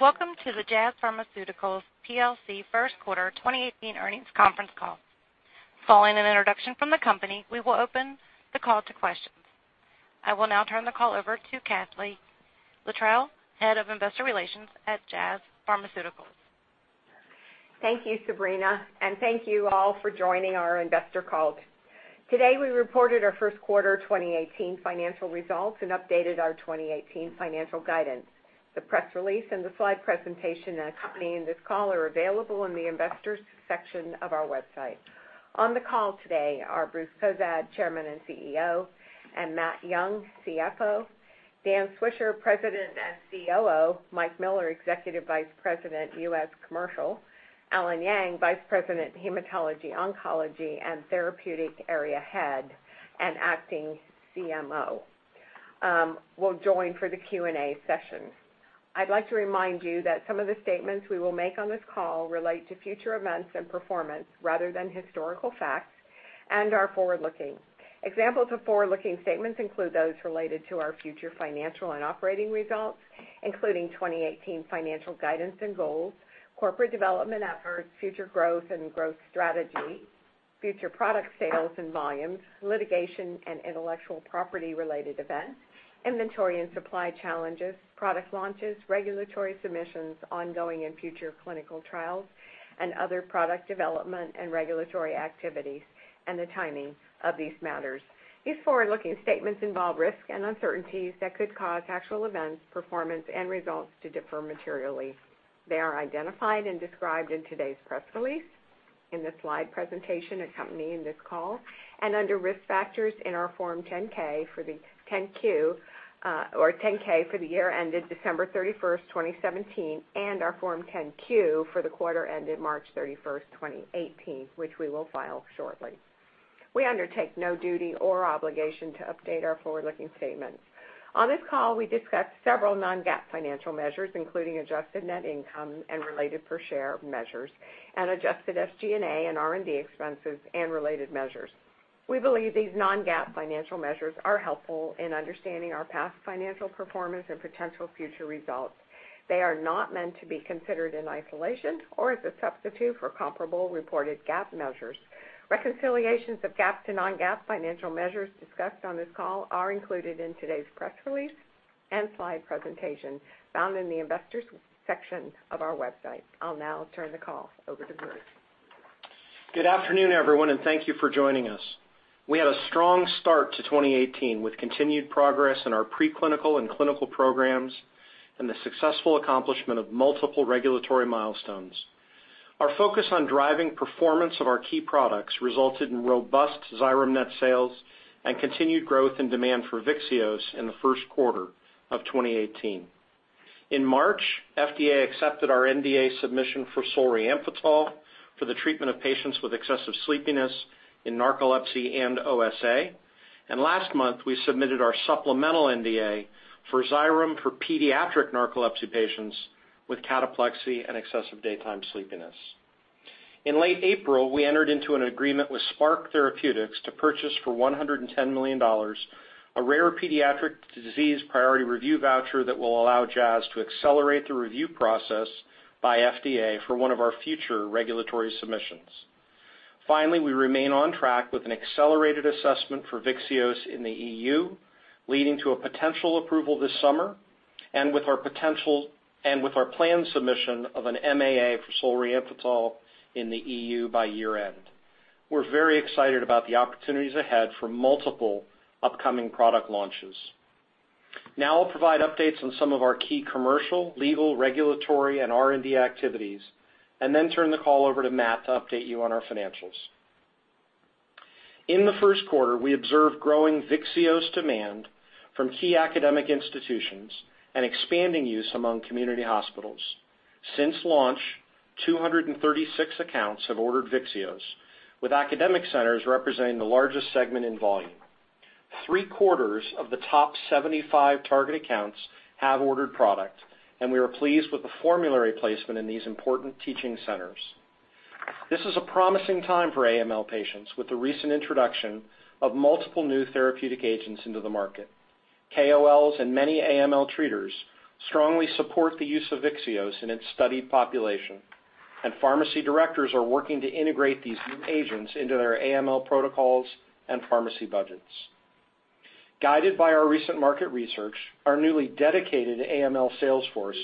Welcome to the Jazz Pharmaceuticals plc First Quarter 2018 Earnings Conference Call. Following an introduction from the company, we will open the call to questions. I will now turn the call over to Kathee Littrell, Head of Investor Relations at Jazz Pharmaceuticals. Thank you, Sabrina, and thank you all for joining our investor call. Today, we reported our First Quarter 2018 Financial Results and updated our 2018 financial guidance. The press release and the slide presentation accompanying this call are available in the Investors section of our website. On the call today are Bruce Cozadd, Chairman and CEO, and Matt Young, CFO, Dan Swisher, President and COO, Mike Miller, Executive Vice President, U.S. Commercial, Allen Yang, Vice President, Hematology, Oncology and Therapeutic Area Head and Acting CMO, will join for the Q&A session. I'd like to remind you that some of the statements we will make on this call relate to future events and performance rather than historical facts and are forward-looking. Examples of forward-looking statements include those related to our future financial and operating results, including 2018 financial guidance and goals, corporate development efforts, future growth and growth strategy, future product sales and volumes, litigation and intellectual property-related events, inventory and supply challenges, product launches, regulatory submissions, ongoing and future clinical trials, and other product development and regulatory activities, and the timing of these matters. These forward-looking statements involve risks and uncertainties that could cause actual events, performance and results to differ materially. They are identified and described in today's press release, in the slide presentation accompanying this call, and under Risk Factors in our Form 10-K for the year ended December 31st, 2017, and our Form 10-Q for the quarter ended March 31st, 2018, which we will file shortly. We undertake no duty or obligation to update our forward-looking statements. On this call, we discuss several non-GAAP financial measures, including adjusted net income and related per share measures and adjusted SG&A and R&D expenses and related measures. We believe these non-GAAP financial measures are helpful in understanding our past financial performance and potential future results. They are not meant to be considered in isolation or as a substitute for comparable reported GAAP measures. Reconciliations of GAAP to non-GAAP financial measures discussed on this call are included in today's press release and slide presentation found in the Investors section of our website. I'll now turn the call over to Bruce. Good afternoon, everyone, and thank you for joining us. We had a strong start to 2018 with continued progress in our preclinical and clinical programs and the successful accomplishment of multiple regulatory milestones. Our focus on driving performance of our key products resulted in robust XYREM net sales and continued growth and demand for VYXEOS in the first quarter of 2018. In March, FDA accepted our NDA submission for solriamfetol for the treatment of patients with excessive sleepiness in narcolepsy and OSA. Last month, we submitted our supplemental NDA for XYREM for pediatric narcolepsy patients with cataplexy and excessive daytime sleepiness. In late April, we entered into an agreement with Spark Therapeutics to purchase for $110 million a rare pediatric disease priority review voucher that will allow Jazz to accelerate the review process by FDA for one of our future regulatory submissions. Finally, we remain on track with an accelerated assessment for VYXEOS in the EU, leading to a potential approval this summer, and with our planned submission of an MAA for solriamfetol in the EU by year-end. We're very excited about the opportunities ahead for multiple upcoming product launches. Now I'll provide updates on some of our key commercial, legal, regulatory, and R&D activities and then turn the call over to Matt to update you on our financials. In the first quarter, we observed growing VYXEOS demand from key academic institutions and expanding use among community hospitals. Since launch, 236 accounts have ordered VYXEOS, with academic centers representing the largest segment in volume. Three-quarters of the top 75 target accounts have ordered product, and we are pleased with the formulary placement in these important teaching centers. This is a promising time for AML patients with the recent introduction of multiple new therapeutic agents into the market. KOLs and many AML treaters strongly support the use of VYXEOS in its studied population, and pharmacy directors are working to integrate these new agents into their AML protocols and pharmacy budgets. Guided by our recent market research, our newly dedicated AML sales force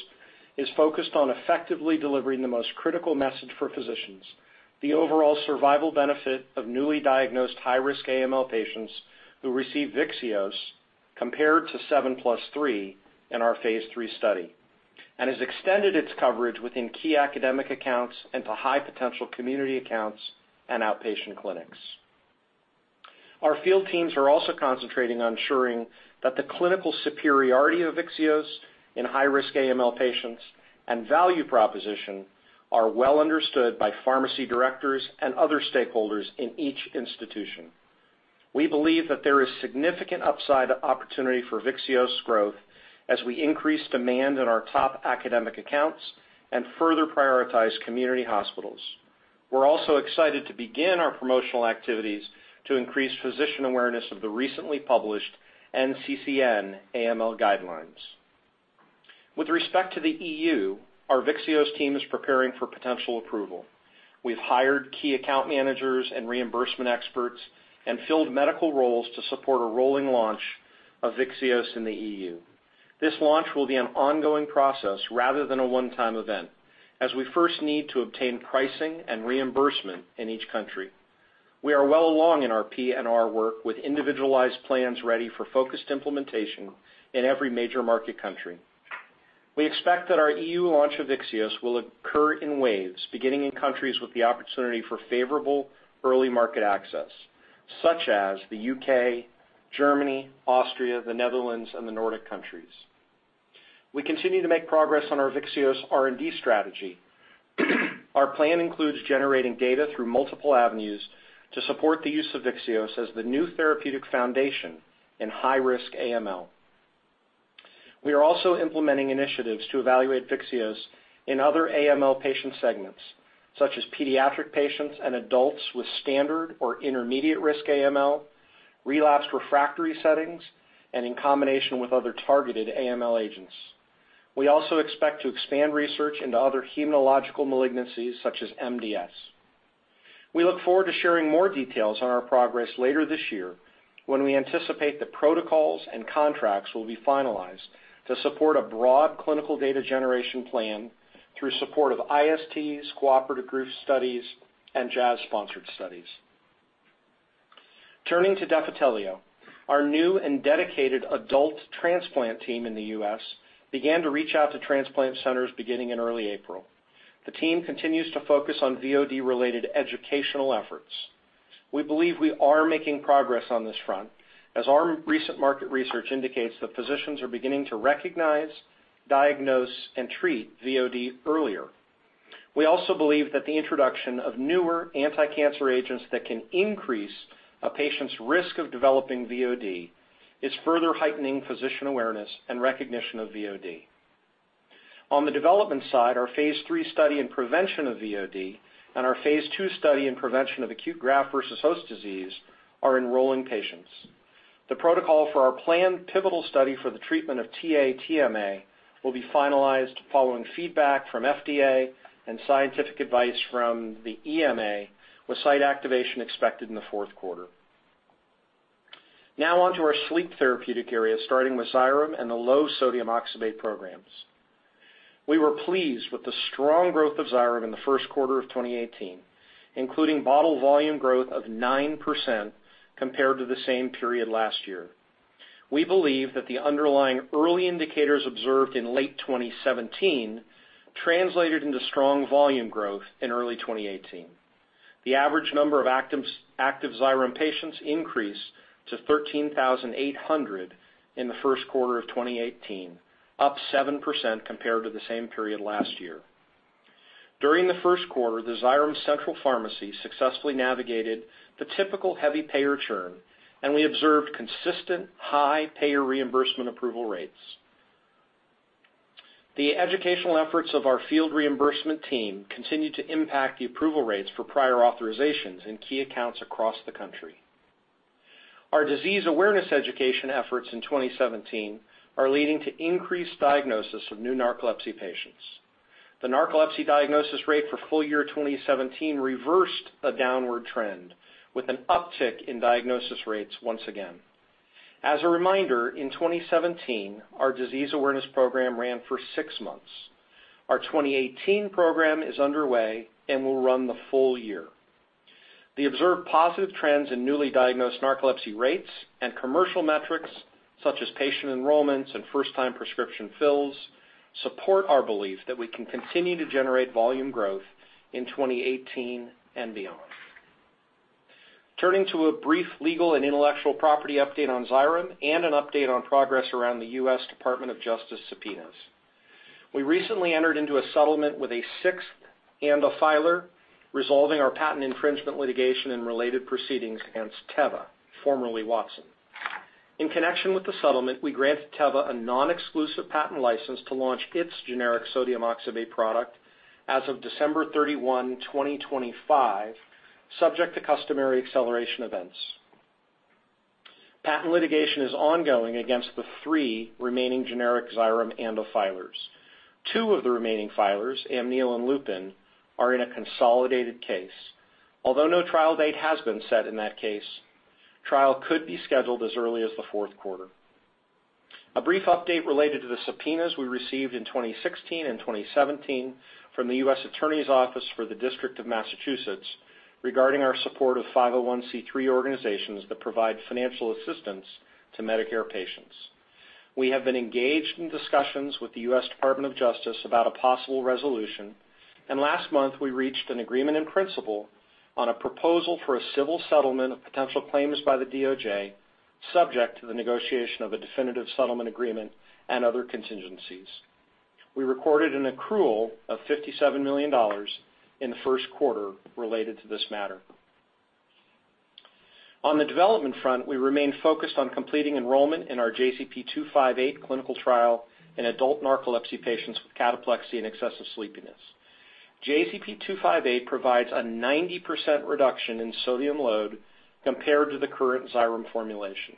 is focused on effectively delivering the most critical message for physicians, the overall survival benefit of newly diagnosed high-risk AML patients who receive VYXEOS compared to 7+3 in our phase III study, and has extended its coverage within key academic accounts and to high-potential community accounts and outpatient clinics. Our field teams are also concentrating on ensuring that the clinical superiority of VYXEOS in high-risk AML patients and value proposition are well understood by pharmacy directors and other stakeholders in each institution. We believe that there is significant upside opportunity for VYXEOS growth as we increase demand in our top academic accounts and further prioritize community hospitals. We're also excited to begin our promotional activities to increase physician awareness of the recently published NCCN AML guidelines. With respect to the EU, our VYXEOS team is preparing for potential approval. We've hired key account managers and reimbursement experts and filled medical roles to support a rolling launch of VYXEOS in the EU. This launch will be an ongoing process rather than a one-time event, as we first need to obtain pricing and reimbursement in each country. We are well along in our P&R work with individualized plans ready for focused implementation in every major market country. We expect that our EU launch of VYXEOS will occur in waves, beginning in countries with the opportunity for favorable early market access, such as the UK, Germany, Austria, the Netherlands, and the Nordic countries. We continue to make progress on our VYXEOS R&D strategy. Our plan includes generating data through multiple avenues to support the use of VYXEOS as the new therapeutic foundation in high-risk AML. We are also implementing initiatives to evaluate VYXEOS in other AML patient segments, such as pediatric patients and adults with standard or intermediate-risk AML, relapsed refractory settings, and in combination with other targeted AML agents. We also expect to expand research into other hematological malignancies, such as MDS. We look forward to sharing more details on our progress later this year when we anticipate that protocols and contracts will be finalized to support a broad clinical data generation plan through support of ISTs, cooperative group studies, and Jazz-sponsored studies. Turning to Defitelio, our new and dedicated adult transplant team in the U.S. began to reach out to transplant centers beginning in early April. The team continues to focus on VOD-related educational efforts. We believe we are making progress on this front, as our most recent market research indicates that physicians are beginning to recognize, diagnose, and treat VOD earlier. We also believe that the introduction of newer anticancer agents that can increase a patient's risk of developing VOD is further heightening physician awareness and recognition of VOD. On the development side, our Phase III study in prevention of VOD and our Phase II study in prevention of acute graft versus host disease are enrolling patients. The protocol for our planned pivotal study for the treatment of TA-TMA will be finalized following feedback from FDA and scientific advice from the EMA, with site activation expected in the fourth quarter. Now on to our sleep therapeutic area, starting with XYREM and the low sodium oxybate programs. We were pleased with the strong growth of XYREM in the first quarter of 2018, including bottle volume growth of 9% compared to the same period last year. We believe that the underlying early indicators observed in late 2017 translated into strong volume growth in early 2018. The average number of active XYREM patients increased to 13,800 in the first quarter of 2018, up 7% compared to the same period last year. During the first quarter, the XYREM Central Pharmacy successfully navigated the typical heavy payer churn, and we observed consistent high payer reimbursement approval rates. The educational efforts of our field reimbursement team continued to impact the approval rates for prior authorizations in key accounts across the country. Our disease awareness education efforts in 2017 are leading to increased diagnosis of new narcolepsy patients. The narcolepsy diagnosis rate for full year 2017 reversed a downward trend, with an uptick in diagnosis rates once again. As a reminder, in 2017, our disease awareness program ran for six months. Our 2018 program is underway and will run the full year. The observed positive trends in newly diagnosed narcolepsy rates and commercial metrics, such as patient enrollments and first-time prescription fills, support our belief that we can continue to generate volume growth in 2018 and beyond. Turning to a brief legal and intellectual property update on XYREM and an update on progress around the U.S. Department of Justice subpoenas. We recently entered into a settlement with a sixth ANDA filer, resolving our patent infringement litigation and related proceedings against Teva, formerly Watson. In connection with the settlement, we granted Teva a non-exclusive patent license to launch its generic sodium oxybate product as of December 31, 2025, subject to customary acceleration events. Patent litigation is ongoing against the three remaining generic XYREM ANDA filers. Two of the remaining filers, Amneal and Lupin, are in a consolidated case. Although no trial date has been set in that case, trial could be scheduled as early as the fourth quarter. A brief update related to the subpoenas we received in 2016 and 2017 from the U.S. Attorney's Office for the District of Massachusetts regarding our support of 501(c)(3) organizations that provide financial assistance to Medicare patients. We have been engaged in discussions with the U.S. Department of Justice about a possible resolution, and last month, we reached an agreement in principle on a proposal for a civil settlement of potential claims by the DOJ subject to the negotiation of a definitive settlement agreement and other contingencies. We recorded an accrual of $57 million in the first quarter related to this matter. On the development front, we remain focused on completing enrollment in our JZP-258 clinical trial in adult narcolepsy patients with cataplexy and excessive sleepiness. JZP-258 provides a 90% reduction in sodium load compared to the current XYREM formulation.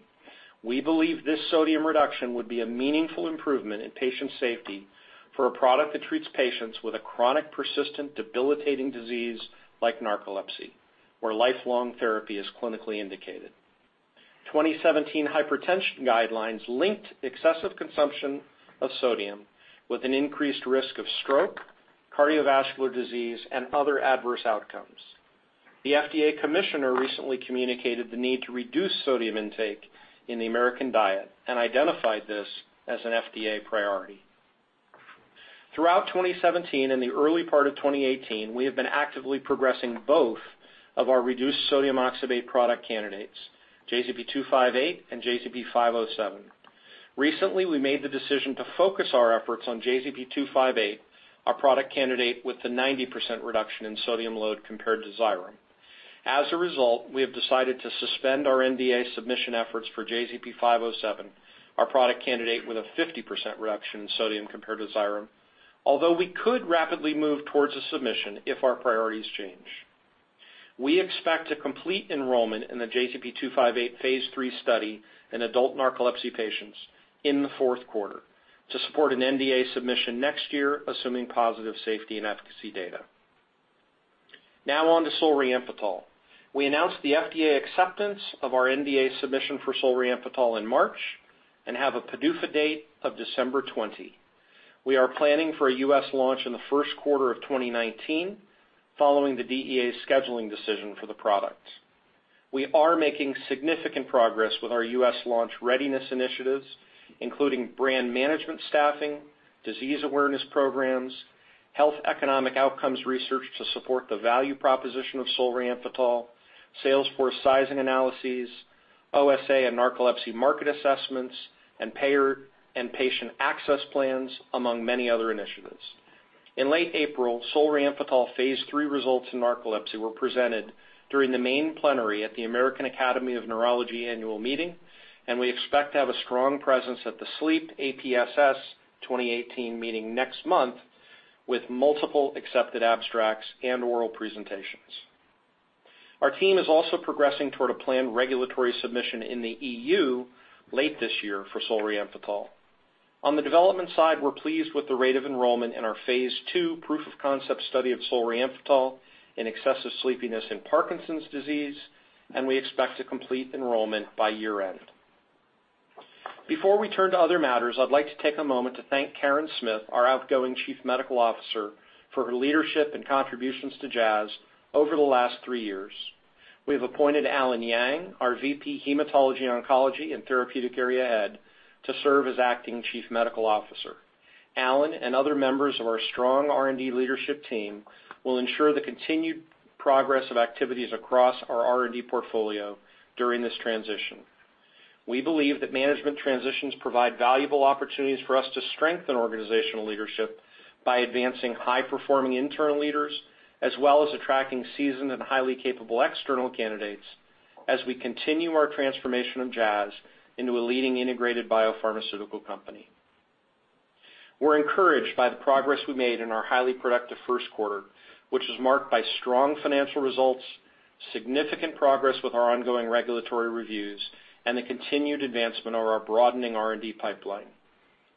We believe this sodium reduction would be a meaningful improvement in patient safety for a product that treats patients with a chronic, persistent, debilitating disease like narcolepsy, where lifelong therapy is clinically indicated. 2017 hypertension guidelines linked excessive consumption of sodium with an increased risk of stroke, cardiovascular disease, and other adverse outcomes. The FDA commissioner recently communicated the need to reduce sodium intake in the American diet and identified this as an FDA priority. Throughout 2017 and the early part of 2018, we have been actively progressing both of our reduced sodium oxybate product candidates, JZP-258 and JZP-507. Recently, we made the decision to focus our efforts on JZP-258, our product candidate with the 90% reduction in sodium load compared to XYREM. As a result, we have decided to suspend our NDA submission efforts for JZP-507, our product candidate with a 50% reduction in sodium compared to XYREM, although we could rapidly move towards a submission if our priorities change. We expect to complete enrollment in the JZP-258 phase III study in adult narcolepsy patients in the fourth quarter to support an NDA submission next year, assuming positive safety and efficacy data. Now on to solriamfetol. We announced the FDA acceptance of our NDA submission for solriamfetol in March and have a PDUFA date of December 20. We are planning for a U.S. launch in the first quarter of 2019 following the DEA's scheduling decision for the product. We are making significant progress with our U.S. launch readiness initiatives, including brand management staffing, disease awareness programs, health economic outcomes research to support the value proposition of solriamfetol, sales force sizing analyses, OSA and narcolepsy market assessments, and payer and patient access plans, among many other initiatives. In late April, solriamfetol phase III results in narcolepsy were presented during the main plenary at the American Academy of Neurology annual meeting, and we expect to have a strong presence at the SLEEP 2018 meeting next month with multiple accepted abstracts and oral presentations. Our team is also progressing toward a planned regulatory submission in the EU late this year for solriamfetol. On the development side, we're pleased with the rate of enrollment in our phase II proof of concept study of solriamfetol in excessive sleepiness in Parkinson's disease, and we expect to complete enrollment by year-end. Before we turn to other matters, I'd like to take a moment to thank Karen Smith, our outgoing Chief Medical Officer, for her leadership and contributions to Jazz over the last three years. We have appointed Allen Yang, our VP Hematology, Oncology and Therapeutic Area Head, to serve as acting Chief Medical Officer. Allen and other members of our strong R&D leadership team will ensure the continued progress of activities across our R&D portfolio during this transition. We believe that management transitions provide valuable opportunities for us to strengthen organizational leadership by advancing high-performing internal leaders, as well as attracting seasoned and highly capable external candidates as we continue our transformation of Jazz into a leading integrated biopharmaceutical company. We're encouraged by the progress we made in our highly productive first quarter, which was marked by strong financial results, significant progress with our ongoing regulatory reviews, and the continued advancement of our broadening R&D pipeline.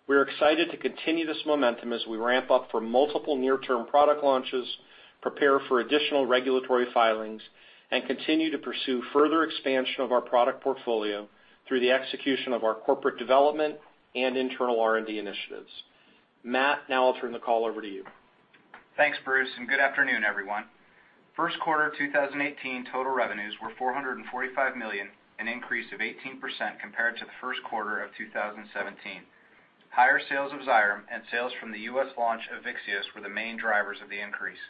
We are excited to continue this momentum as we ramp up for multiple near-term product launches, prepare for additional regulatory filings, and continue to pursue further expansion of our product portfolio through the execution of our corporate development and internal R&D initiatives. Matt, now I'll turn the call over to you. Thanks, Bruce, and good afternoon, everyone. First quarter 2018 total revenues were $445 million, an increase of 18% compared to the first quarter of 2017. Higher sales of XYREM and sales from the US launch of VYXEOS were the main drivers of the increase.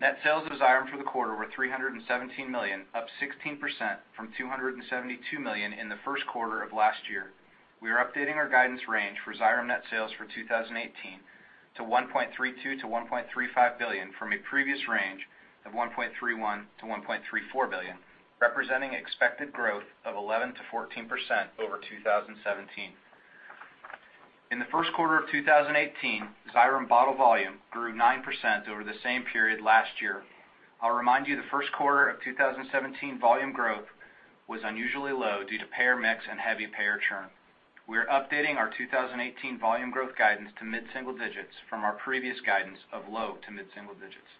Net sales of XYREM for the quarter were $317 million, up 16% from $272 million in the first quarter of last year. We are updating our guidance range for XYREM net sales for 2018 to $1.32 billion-$1.35 billion from a previous range of $1.31 billion-$1.34 billion, representing expected growth of 11%-14% over 2017. In the first quarter of 2018, XYREM bottle volume grew 9% over the same period last year. I'll remind you the first quarter of 2017 volume growth was unusually low due to payer mix and heavy payer churn. We are updating our 2018 volume growth guidance to mid-single digits from our previous guidance of low to mid-single digits.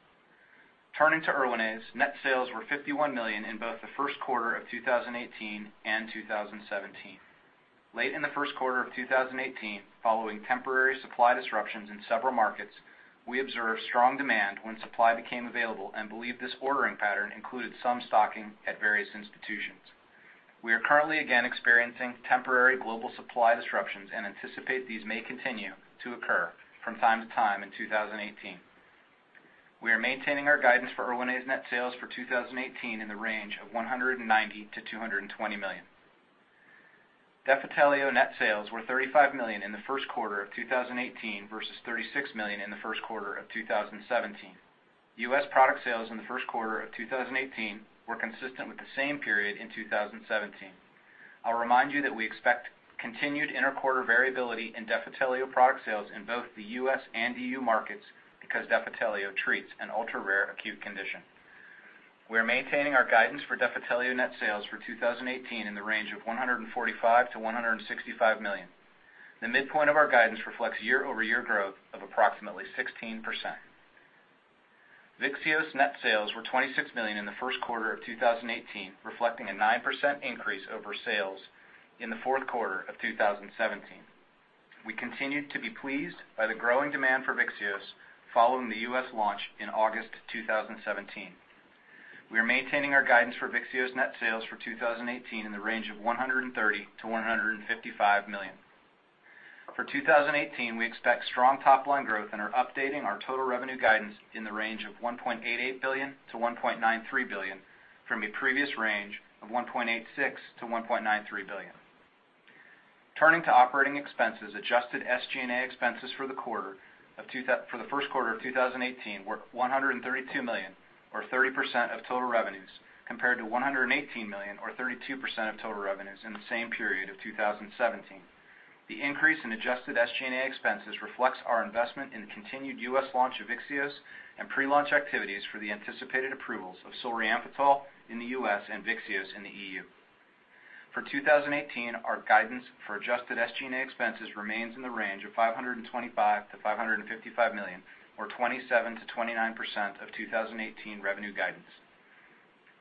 Turning to Erwinaze, net sales were $51 million in both the first quarter of 2018 and 2017. Late in the first quarter of 2018, following temporary supply disruptions in several markets, we observed strong demand when supply became available and believe this ordering pattern included some stocking at various institutions. We are currently again experiencing temporary global supply disruptions and anticipate these may continue to occur from time to time in 2018. We are maintaining our guidance for Erwinaze net sales for 2018 in the range of $190 million-$220 million. Defitelio net sales were $35 million in the first quarter of 2018 versus $36 million in the first quarter of 2017. U.S. product sales in the first quarter of 2018 were consistent with the same period in 2017. I'll remind you that we expect continued inter-quarter variability in Defitelio product sales in both the U.S. and E.U. markets because Defitelio treats an ultra-rare acute condition. We are maintaining our guidance for Defitelio net sales for 2018 in the range of $145 million-$165 million. The midpoint of our guidance reflects year-over-year growth of approximately 16%. VYXEOS net sales were $26 million in the first quarter of 2018, reflecting a 9% increase over sales in the fourth quarter of 2017. We continue to be pleased by the growing demand for VYXEOS following the U.S. launch in August 2017. We are maintaining our guidance for VYXEOS net sales for 2018 in the range of $130 million-$155 million. For 2018, we expect strong top line growth and are updating our total revenue guidance in the range of $1.88 billion-$1.93 billion from a previous range of $1.86 billion-$1.93 billion. Turning to operating expenses, adjusted SG&A expenses for the first quarter of 2018 were $132 million or 30% of total revenues, compared to $118 million or 32% of total revenues in the same period of 2017. The increase in adjusted SG&A expenses reflects our investment in the continued US launch of VYXEOS and pre-launch activities for the anticipated approvals of solriamfetol in the US and VYXEOS in the EU. For 2018, our guidance for adjusted SG&A expenses remains in the range of $525 million-$555 million, or 27%-29% of 2018 revenue guidance.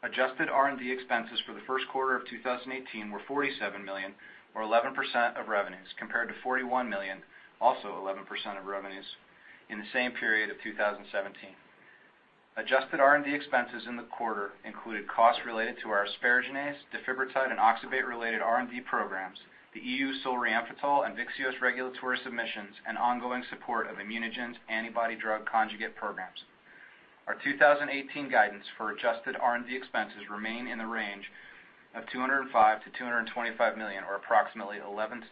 Adjusted R&D expenses for the first quarter of 2018 were $47 million or 11% of revenues, compared to $41 million, also 11% of revenues, in the same period of 2017. Adjusted R&D expenses in the quarter included costs related to our asparaginase, defibrotide and oxybate-related R&D programs, the EU solriamfetol and VYXEOS regulatory submissions, and ongoing support of ImmunoGen's antibody-drug conjugate programs. Our 2018 guidance for adjusted R&D expenses remain in the range of $205 million-$225 million, or approximately 11%-12%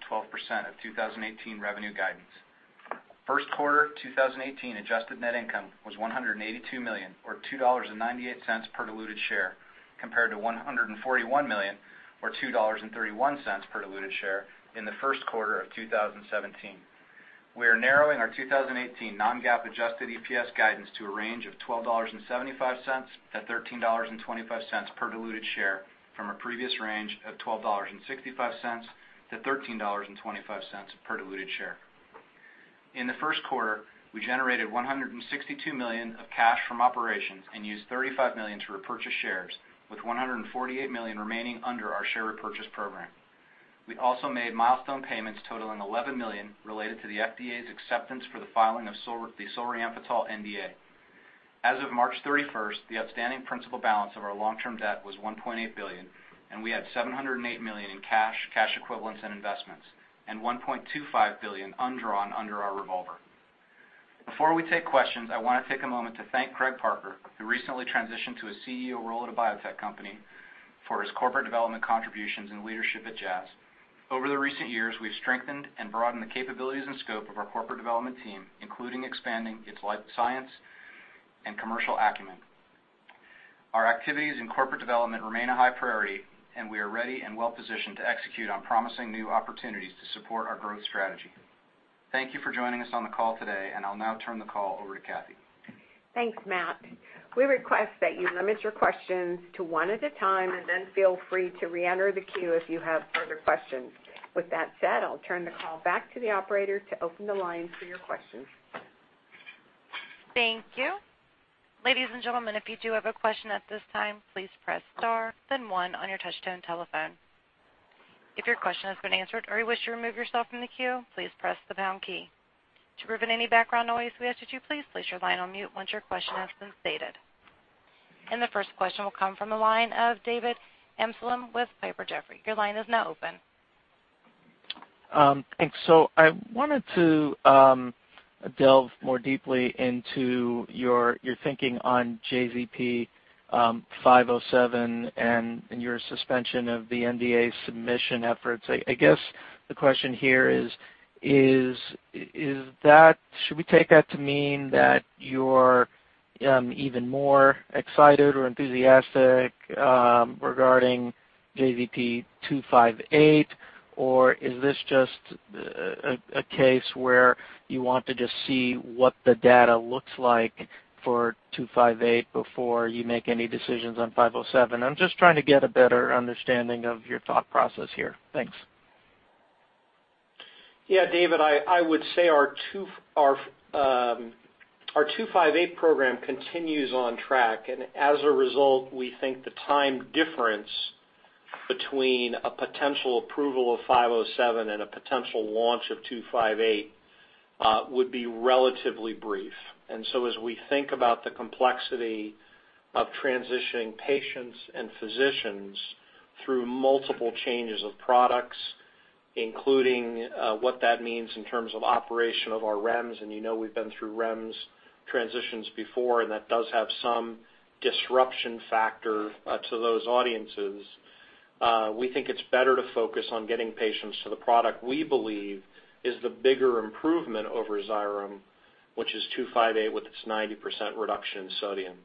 of 2018 revenue guidance. First quarter 2018 adjusted net income was $182 million or $2.98 per diluted share, compared to $141 million or $2.31 per diluted share in the first quarter of 2017. We are narrowing our 2018 non-GAAP adjusted EPS guidance to a range of $12.75-$13.25 per diluted share from a previous range of $12.65-$13.25 per diluted share. In the first quarter, we generated $162 million of cash from operations and used $35 million to repurchase shares, with $148 million remaining under our share repurchase program. We also made milestone payments totaling $11 million related to the FDA's acceptance for the filing of the solriamfetol NDA. As of March 31st, the outstanding principal balance of our long-term debt was $1.8 billion, and we had $708 million in cash equivalents and investments, and $1.25 billion undrawn under our revolver. Before we take questions, I wanna take a moment to thank Craig Parker, who recently transitioned to a CEO role at a biotech company, for his corporate development contributions and leadership at Jazz. Over the recent years, we've strengthened and broadened the capabilities and scope of our corporate development team, including expanding its life science and commercial acumen. Our activities in corporate development remain a high priority, and we are ready and well-positioned to execute on promising new opportunities to support our growth strategy. Thank you for joining us on the call today, and I'll now turn the call over to Kathee. Thanks, Matt. We request that you limit your questions to one at a time, and then feel free to reenter the queue if you have further questions. With that said, I'll turn the call back to the operator to open the line for your questions. Thank you. Ladies and gentlemen, if you do have a question at this time, please press star then one on your touch-tone telephone. If your question has been answered or you wish to remove yourself from the queue, please press the pound key. To prevent any background noise, we ask that you please place your line on mute once your question has been stated. The first question will come from the line of David Amsellem with Piper Jaffray. Your line is now open. Thanks. I wanted to delve more deeply into your thinking on JZP-507, five oh seven and your suspension of the NDA submission efforts. I guess the question here is that? Should we take that to mean that you're even more excited or enthusiastic regarding JZP-258? Or is this just a case where you want to just see what the data looks like for two five eight before you make any decisions on five oh seven? I'm just trying to get a better understanding of your thought process here. Thanks. Yeah, David, I would say ourJZP-258 program continues on track. As a result, we think the time difference between a potential approval of 507 and a potential launch of 258 would be relatively brief. As we think about the complexity of transitioning patients and physicians through multiple changes of products, including what that means in terms of operation of our REMS, you know we've been through REMS transitions before, and that does have some disruption factor to those audiences. We think it's better to focus on getting patients to the product we believe is the bigger improvement over XYREM, which is JZP-258 with its 90% reduction in sodium.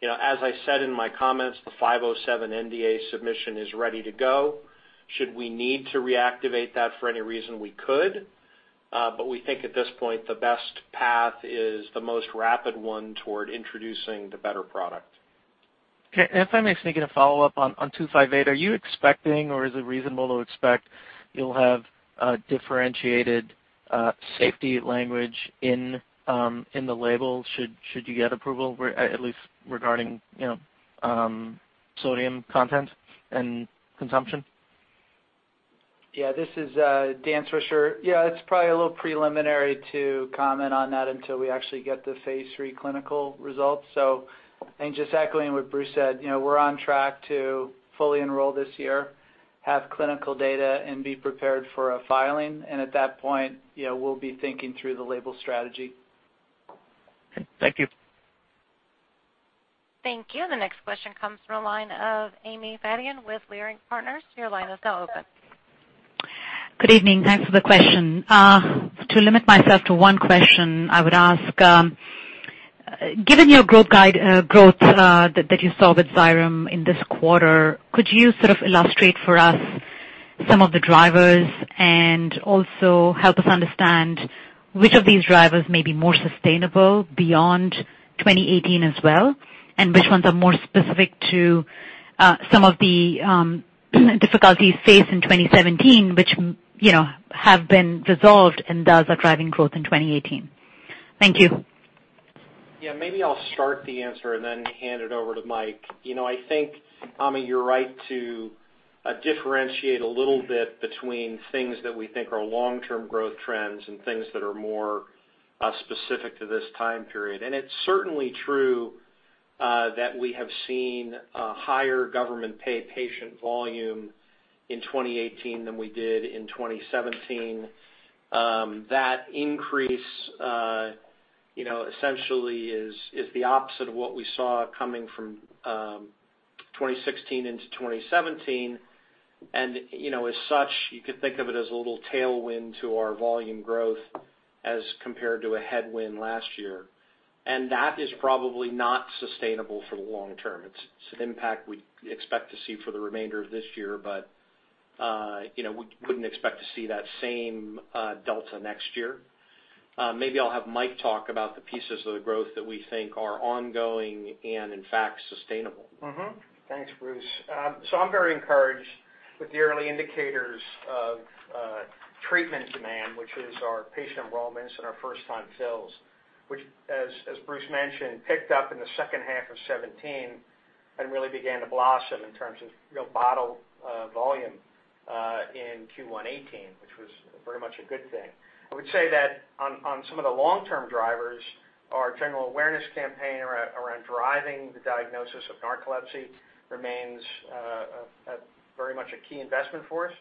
You know, as I said in my comments, the JZP-507 NDA submission is ready to go. Should we need to reactivate that for any reason, we could, but we think at this point the best path is the most rapid one toward introducing the better product. Okay. If I may sneak in a follow-up on JZP-258. Are you expecting or is it reasonable to expect you'll have a differentiated safety language in the label should you get approval, at least regarding sodium content and consumption? Yeah, this is Dan Swisher. Yeah, it's probably a little preliminary to comment on that until we actually get the phase III clinical results. I think just echoing what Bruce said, you know, we're on track to fully enroll this year, have clinical data, and be prepared for a filing. At that point, you know, we'll be thinking through the label strategy. Thank you. Thank you. The next question comes from the line of Ami Fadia with Leerink Partners. Your line is now open. Good evening. Thanks for the question. To limit myself to one question, I would ask, given your growth guidance, the growth that you saw with XYREM in this quarter, could you sort of illustrate for us some of the drivers and also help us understand which of these drivers may be more sustainable beyond 2018 as well, and which ones are more specific to some of the difficulties faced in 2017, which, you know, have been resolved and thus are driving growth in 2018? Thank you. Yeah, maybe I'll start the answer and then hand it over to Mike. You know, I think, Ami, you're right to differentiate a little bit between things that we think are long-term growth trends and things that are more specific to this time period. It's certainly true that we have seen a higher government payer patient volume in 2018 than we did in 2017. That increase, you know, essentially is the opposite of what we saw coming from 2016 into 2017. You know, as such, you could think of it as a little tailwind to our volume growth as compared to a headwind last year. That is probably not sustainable for the long term. It's an impact we expect to see for the remainder of this year, but, you know, we wouldn't expect to see that same, delta next year. Maybe I'll have Mike talk about the pieces of the growth that we think are ongoing and in fact sustainable. Thanks, Bruce. I'm very encouraged with the early indicators of treatment demand, which is our patient enrollments and our first-time fills, which, as Bruce mentioned, picked up in the second half of 2017 and really began to blossom in terms of real bottle volume in Q1 2018, which was very much a good thing. I would say that on some of the long-term drivers, our general awareness campaign around driving the diagnosis of narcolepsy remains very much a key investment for us.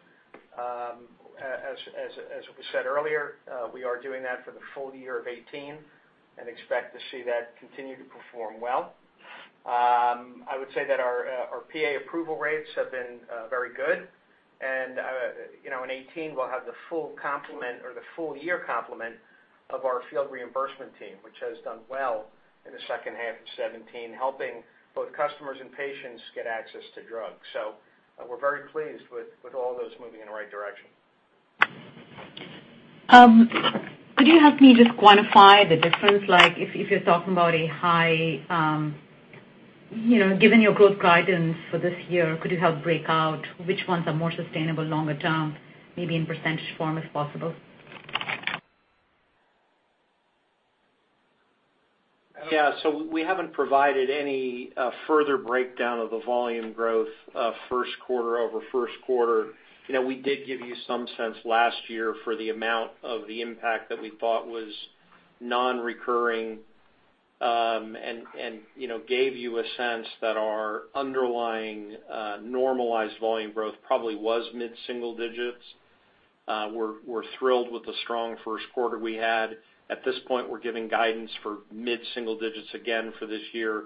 As we said earlier, we are doing that for the full year of 2018 and expect to see that continue to perform well. I would say that our PA approval rates have been very good. you know, in 2018 we'll have the full complement or the full year complement of our field reimbursement team, which has done well in the second half of 2017, helping both customers and patients get access to drugs. We're very pleased with all those moving in the right direction. Could you help me just quantify the difference, like if you're talking about a high, you know, given your growth guidance for this year, could you help break out which ones are more sustainable longer term, maybe in percentage form if possible? Yeah. We haven't provided any further breakdown of the volume growth first quarter over first quarter. You know, we did give you some sense last year for the amount of the impact that we thought was non-recurring, and you know, gave you a sense that our underlying normalized volume growth probably was mid-single digits. We're thrilled with the strong first quarter we had. At this point, we're giving guidance for mid-single digits again for this year,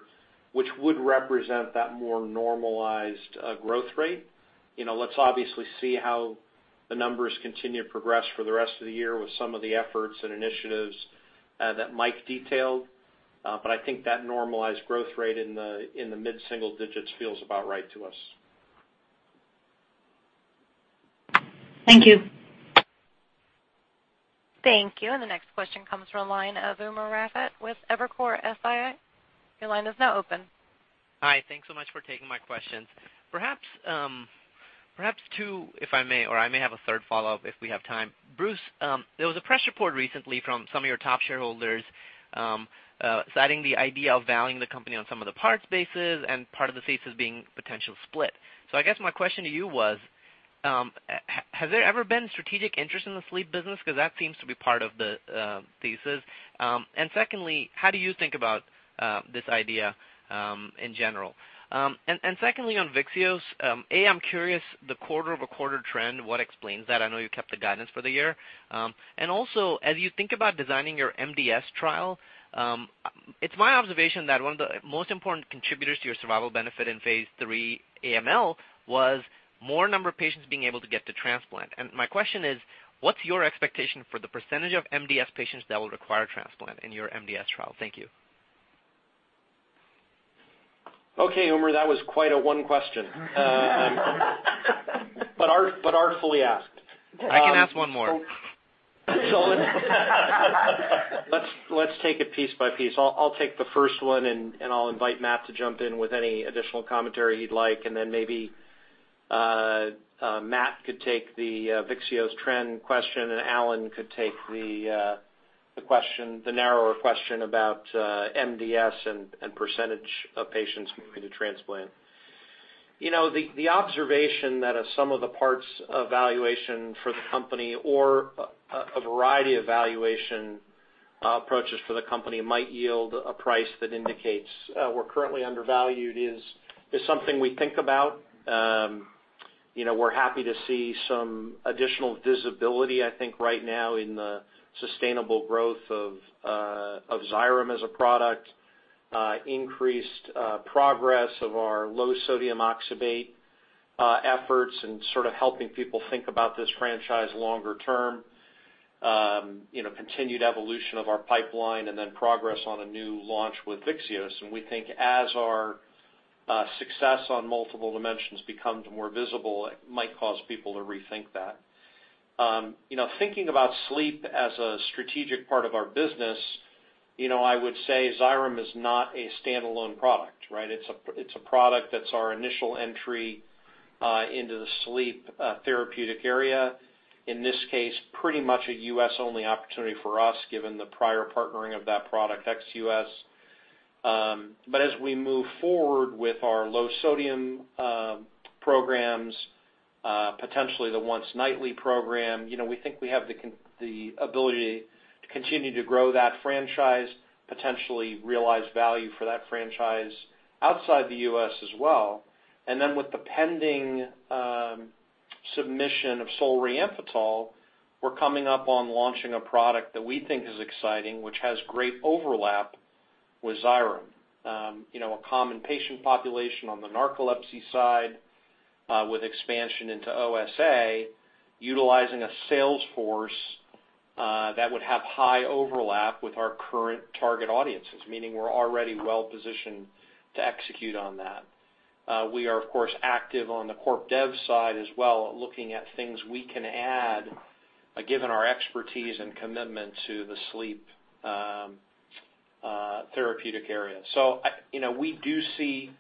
which would represent that more normalized growth rate. You know, let's obviously see how the numbers continue to progress for the rest of the year with some of the efforts and initiatives that Mike detailed. I think that normalized growth rate in the mid-single digits feels about right to us. Thank you. Thank you. The next question comes from the line of Umer Raffat with Evercore ISI. Your line is now open. Hi. Thanks so much for taking my questions. Perhaps two, if I may, or I may have a third follow-up if we have time. Bruce, there was a press report recently from some of your top shareholders, citing the idea of valuing the company on sum of the parts basis and part of the thesis being potential split. I guess my question to you was, has there ever been strategic interest in the sleep business? Because that seems to be part of the thesis. Secondly, how do you think about this idea in general? Secondly, on VYXEOS, A, I'm curious the quarter-over-quarter trend, what explains that? I know you kept the guidance for the year. as you think about designing your MDS trial, it's my observation that one of the most important contributors to your survival benefit in phase III AML was more number of patients being able to get to transplant. My question is, what's your expectation for the percentage of MDS patients that will require transplant in your MDS trial? Thank you. Okay, Umer, that was quite a long question. Artfully asked. I can ask one more. Let's take it piece by piece. I'll take the first one and I'll invite Matt to jump in with any additional commentary he'd like, and then maybe Matt could take the VYXEOS trend question, and Allen could take the question, the narrower question about MDS and percentage of patients moving to transplant. You know, the observation that a sum of the parts valuation for the company or a variety of valuation approaches for the company might yield a price that indicates we're currently undervalued is something we think about. You know, we're happy to see some additional visibility, I think, right now in the sustainable growth of XYREM as a product, increased progress of our low sodium oxybate efforts and sort of helping people think about this franchise longer term. You know, continued evolution of our pipeline and then progress on a new launch with VYXEOS. We think as our success on multiple dimensions becomes more visible, it might cause people to rethink that. You know, thinking about sleep as a strategic part of our business, you know, I would say XYREM is not a standalone product, right? It's a product that's our initial entry into the sleep therapeutic area. In this case, pretty much a U.S. only opportunity for us given the prior partnering of that product ex-U.S. as we move forward with our low sodium programs, potentially the once nightly program, you know, we think we have the ability to continue to grow that franchise, potentially realize value for that franchise outside the U.S. as well. Then with the pending submission of solriamfetol, we're coming up on launching a product that we think is exciting, which has great overlap with XYREM. you know, a common patient population on the narcolepsy side, with expansion into OSA, utilizing a sales force that would have high overlap with our current target audiences, meaning we're already well-positioned to execute on that. we are, of course, active on the corp dev side as well, looking at things we can add, given our expertise and commitment to the sleep therapeutic area. I... You know, we do see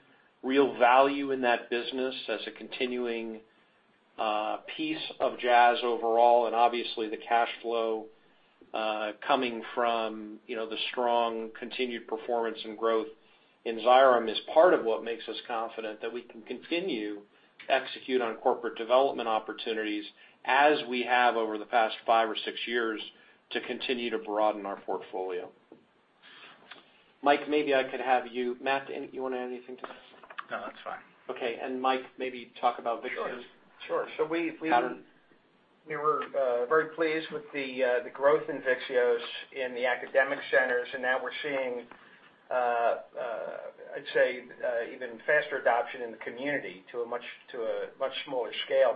real value in that business as a continuing piece of Jazz overall, and obviously the cash flow coming from, you know, the strong continued performance and growth in XYREM is part of what makes us confident that we can continue to execute on corporate development opportunities as we have over the past five or six years to continue to broaden our portfolio. Matt, anything you wanna add to this? No, that's fine. Okay. Mike, maybe talk about VYXEOS. Sure, sure. -pattern. We were very pleased with the growth in VYXEOS in the academic centers, and now we're seeing, I'd say, even faster adoption in the community to a much smaller scale.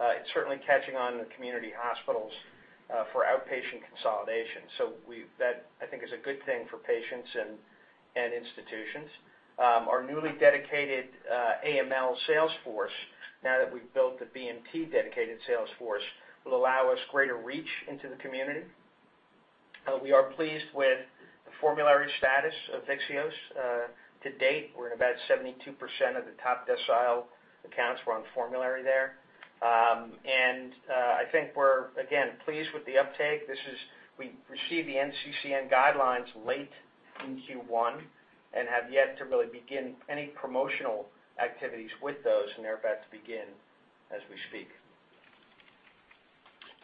It's certainly catching on in the community hospitals for outpatient consolidation. That I think is a good thing for patients and institutions. Our newly dedicated AML sales force, now that we've built the BMT dedicated sales force, will allow us greater reach into the community. We are pleased with the formulary status of VYXEOS. To date, we're at about 72% of the top decile accounts were on formulary there. I think we're again pleased with the uptake. This is. We received the NCCN guidelines late in Q1 and have yet to really begin any promotional activities with those, and they're about to begin as we speak.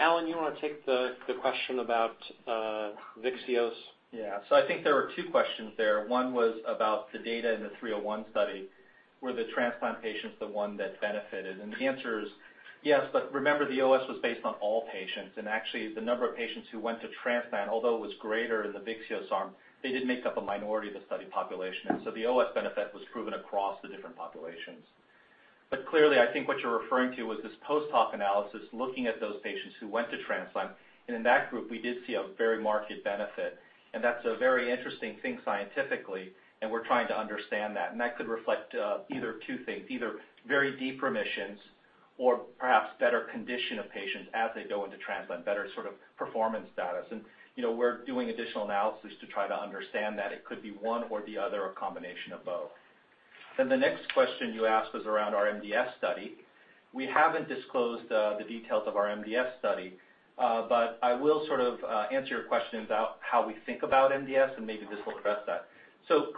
Allen, you wanna take the question about VYXEOS? Yeah. I think there were two questions there. One was about the data in the 301 study. Were the transplant patients the one that benefited? The answer is yes, but remember the OS was based on all patients, and actually the number of patients who went to transplant, although it was greater in the VYXEOS arm, they did make up a minority of the study population. The OS benefit was proven across the different populations. Clearly, I think what you're referring to was this post-hoc analysis looking at those patients who went to transplant. In that group, we did see a very marked benefit. That's a very interesting thing scientifically, and we're trying to understand that. that could reflect either two things, either very deep remissions or perhaps better condition of patients as they go into transplant, better sort of performance status. You know, we're doing additional analysis to try to understand that it could be one or the other or combination of both. The next question you asked was around our MDS study. We haven't disclosed the details of our MDS study. I will sort of answer your questions about how we think about MDS, and maybe this will address that.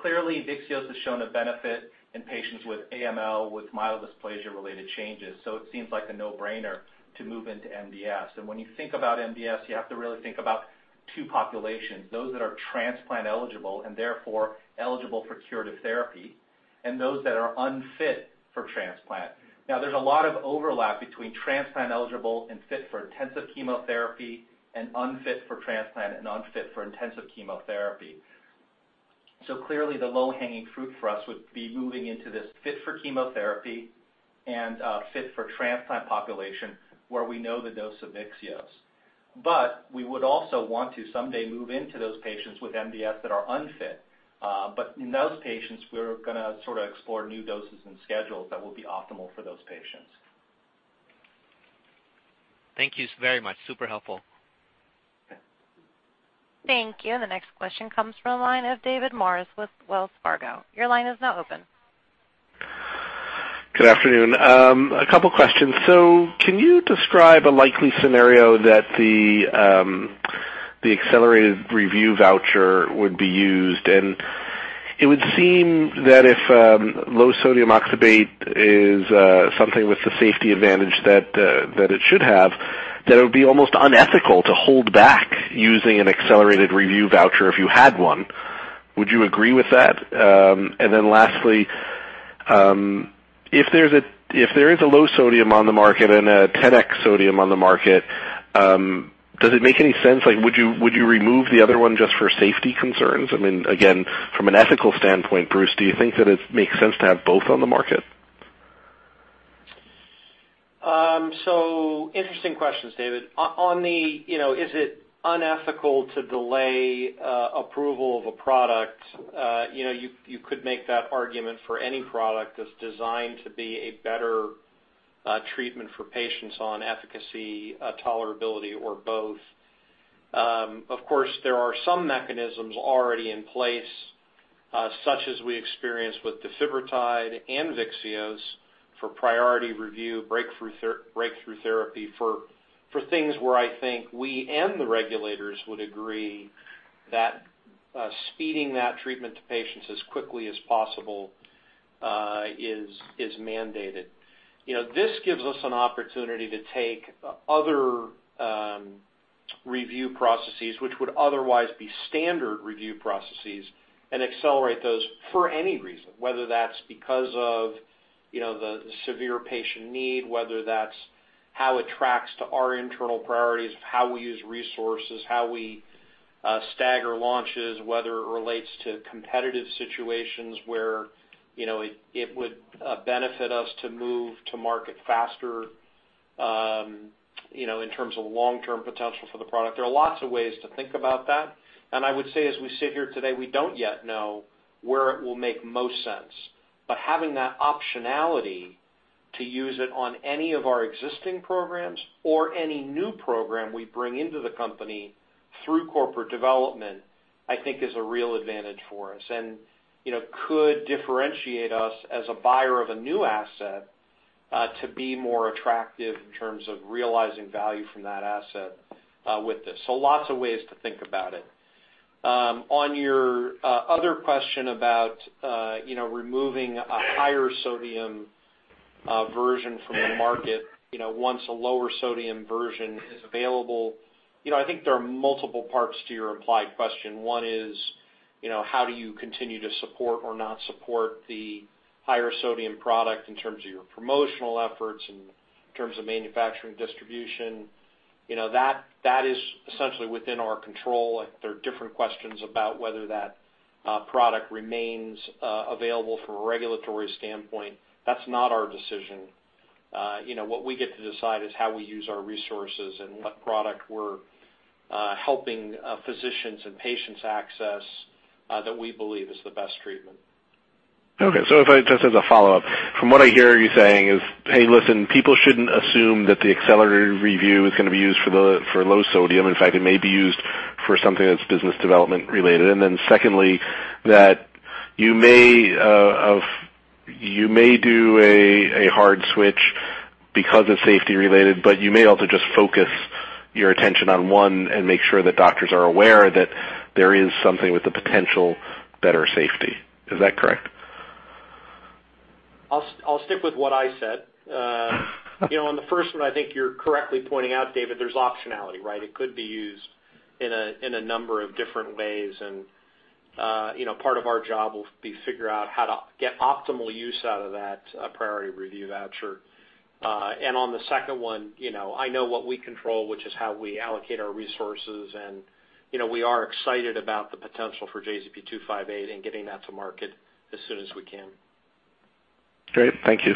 Clearly, VYXEOS has shown a benefit in patients with AML with myelodysplasia-related changes, so it seems like a no-brainer to move into MDS. When you think about MDS, you have to really think about two populations, those that are transplant eligible and therefore eligible for curative therapy, and those that are unfit for transplant. Now, there's a lot of overlap between transplant eligible and fit for intensive chemotherapy and unfit for transplant and unfit for intensive chemotherapy. Clearly, the low-hanging fruit for us would be moving into this fit for chemotherapy and fit for transplant population where we know the dose of VYXEOS. We would also want to someday move into those patients with MDS that are unfit. In those patients, we're gonna sort of explore new doses and schedules that will be optimal for those patients. Thank you so very much. Super helpful. Thank you. The next question comes from the line of David Maris with Wells Fargo. Your line is now open. Good afternoon. A couple questions. Can you describe a likely scenario that the accelerated review voucher would be used? It would seem that if low-sodium oxybate is something with the safety advantage that it should have, that it would be almost unethical to hold back using an accelerated review voucher if you had one. Would you agree with that? Lastly, if there is a low-sodium on the market and a 10X sodium on the market, does it make any sense? Like, would you remove the other one just for safety concerns? I mean, again, from an ethical standpoint, Bruce, do you think that it makes sense to have both on the market? Interesting questions, David. On the, you know, is it unethical to delay approval of a product? You know, you could make that argument for any product that's designed to be a better treatment for patients on efficacy, tolerability, or both. Of course, there are some mechanisms already in place, such as we experienced with defibrotide and VYXEOS for priority review, breakthrough therapy for things where I think we and the regulators would agree that speeding that treatment to patients as quickly as possible is mandated. You know, this gives us an opportunity to take other review processes, which would otherwise be standard review processes and accelerate those for any reason, whether that's because of, you know, the severe patient need, whether that's how it tracks to our internal priorities of how we use resources, how we stagger launches, whether it relates to competitive situations where, you know, it would benefit us to move to market faster, you know, in terms of long-term potential for the product. There are lots of ways to think about that. I would say, as we sit here today, we don't yet know where it will make most sense. Having that optionality to use it on any of our existing programs or any new program we bring into the company through corporate development, I think is a real advantage for us and, you know, could differentiate us as a buyer of a new asset to be more attractive in terms of realizing value from that asset with this. Lots of ways to think about it. On your other question about you know, removing a higher sodium version from the market, you know, once a lower sodium version is available, you know, I think there are multiple parts to your implied question. One is, you know, how do you continue to support or not support the higher sodium product in terms of your promotional efforts, in terms of manufacturing, distribution. You know, that is essentially within our control. There are different questions about whether that product remains available from a regulatory standpoint. That's not our decision. You know, what we get to decide is how we use our resources and what product we're helping physicians and patients access that we believe is the best treatment. Just as a follow-up, from what I hear you saying is, hey, listen, people shouldn't assume that the accelerated review is gonna be used for the low sodium. In fact, it may be used for something that's business development related. Secondly, you may do a hard switch because it's safety related, but you may also just focus your attention on one and make sure that doctors are aware that there is something with the potential better safety. Is that correct? I'll stick with what I said. You know, on the first one, I think you're correctly pointing out, David, there's optionality, right? It could be used in a number of different ways. You know, part of our job will be figure out how to get optimal use out of that priority review voucher. On the second one, you know, I know what we control, which is how we allocate our resources. You know, we are excited about the potential for JZP-258 and getting that to market as soon as we can. Great. Thank you.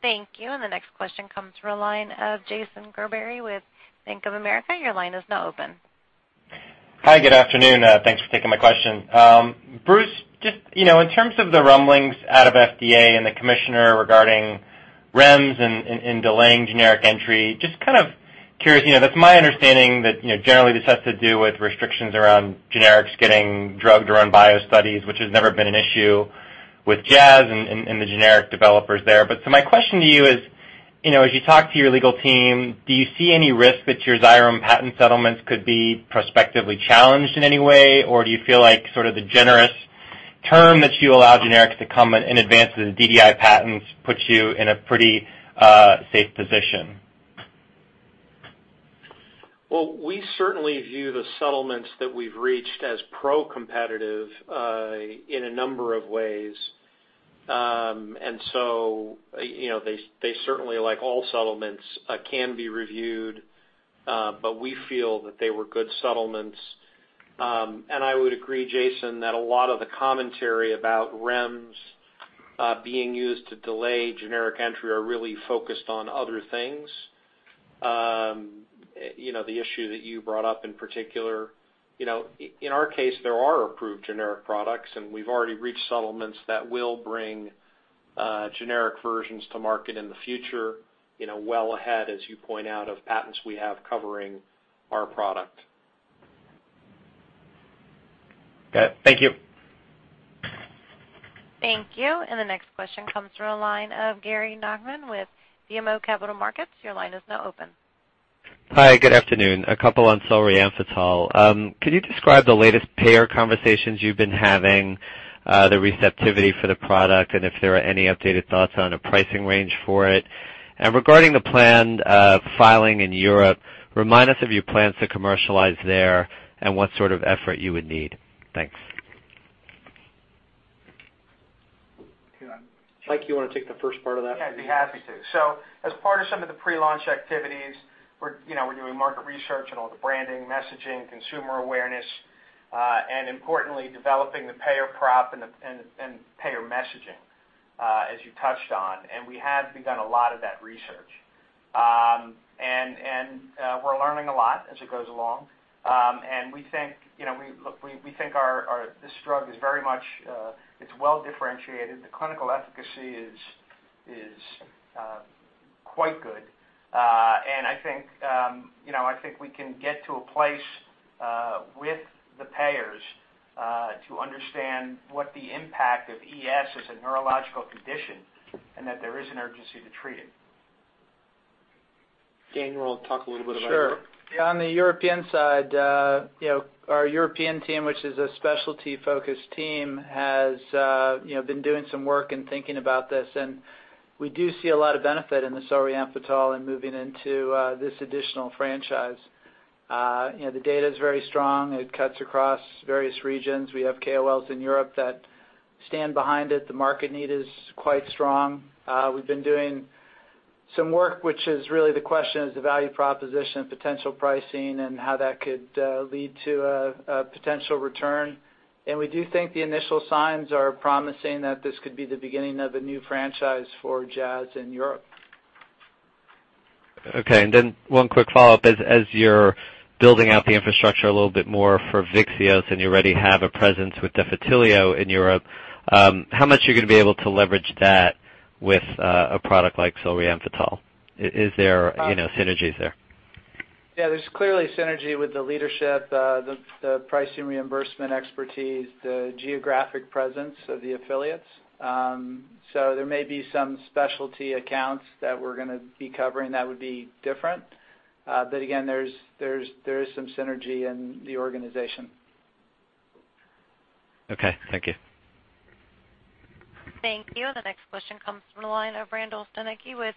Thank you. The next question comes from a line of Jason Gerberry with Bank of America. Your line is now open. Hi, good afternoon. Thanks for taking my question. Bruce, just, you know, in terms of the rumblings out of FDA and the commissioner regarding REMS and delaying generic entry, just kind of curious, you know, that's my understanding that, you know, generally this has to do with restrictions around generics getting drug product bio studies, which has never been an issue with Jazz and the generic developers there. My question to you is, you know, as you talk to your legal team, do you see any risk that your XYREM patent settlements could be prospectively challenged in any way? Or do you feel like sort of the generous term that you allow generics to come in advance of the DDI patents puts you in a pretty safe position? Well, we certainly view the settlements that we've reached as pro-competitive, in a number of ways. You know, they certainly, like all settlements, can be reviewed, but we feel that they were good settlements. I would agree, Jason, that a lot of the commentary about REMS, being used to delay generic entry are really focused on other things. You know, the issue that you brought up in particular, you know, in our case, there are approved generic products, and we've already reached settlements that will bring generic versions to market in the future, you know, well ahead, as you point out, of patents we have covering our product. Got it. Thank you. Thank you. The next question comes from the line of Gary Nachman with BMO Capital Markets. Your line is now open. Hi. Good afternoon. A couple on solriamfetol. Could you describe the latest payer conversations you've been having, the receptivity for the product, and if there are any updated thoughts on a pricing range for it? Regarding the planned filing in Europe, remind us of your plans to commercialize there and what sort of effort you would need. Thanks. Mike, you wanna take the first part of that? Yeah, I'd be happy to. As part of some of the pre-launch activities, you know, we're doing market research and all the branding, messaging, consumer awareness, and importantly, developing the payer prop and the payer messaging, as you touched on. We have begun a lot of that research. We're learning a lot as it goes along. We think, you know, this drug is very much, it's well differentiated. The clinical efficacy is quite good. I think we can get to a place with the payers to understand what the impact of ES as a neurological condition and that there is an urgency to treat it. Dan, you wanna talk a little bit about Europe? Sure. Yeah, on the European side, you know, our European team, which is a specialty-focused team, has, you know, been doing some work and thinking about this. We do see a lot of benefit in the solriamfetol and moving into this additional franchise. You know, the data is very strong. It cuts across various regions. We have KOLs in Europe that stand behind it. The market need is quite strong. We've been doing some work, which is really the question is the value proposition, potential pricing, and how that could lead to a potential return. We do think the initial signs are promising that this could be the beginning of a new franchise for Jazz in Europe. Okay, one quick follow-up. As you're building out the infrastructure a little bit more for VYXEOS, and you already have a presence with Defitelio in Europe, how much are you gonna be able to leverage that with a product like solriamfetol? Is there, you know, synergies there? Yeah, there's clearly synergy with the leadership, the pricing reimbursement expertise, the geographic presence of the affiliates. There may be some specialty accounts that we're gonna be covering that would be different. Again, there is some synergy in the organization. Okay. Thank you. Thank you. The next question comes from the line of Randall Stanicky with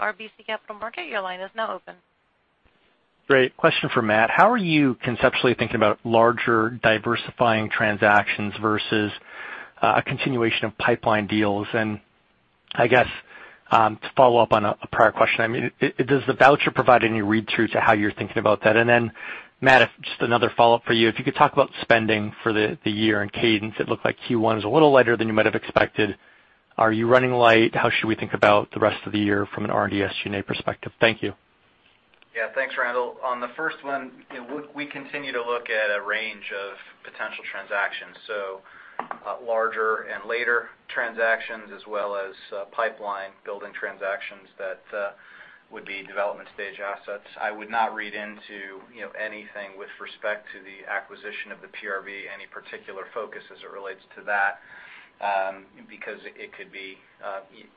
RBC Capital Markets. Your line is now open. Great. Question for Matt. How are you conceptually thinking about larger diversifying transactions versus a continuation of pipeline deals? I guess to follow up on a prior question, I mean, does the voucher provide any read-through to how you're thinking about that? Matt, if just another follow-up for you. If you could talk about spending for the year and cadence, it looked like Q1 is a little lighter than you might have expected. Are you running light? How should we think about the rest of the year from an R&D and SG&A perspective? Thank you. Yeah. Thanks, Randall. On the first one, we continue to look at a range of potential transactions. Larger and later transactions as well as pipeline building transactions that would be development stage assets. I would not read into anything with respect to the acquisition of the PRV, any particular focus as it relates to that, because it could be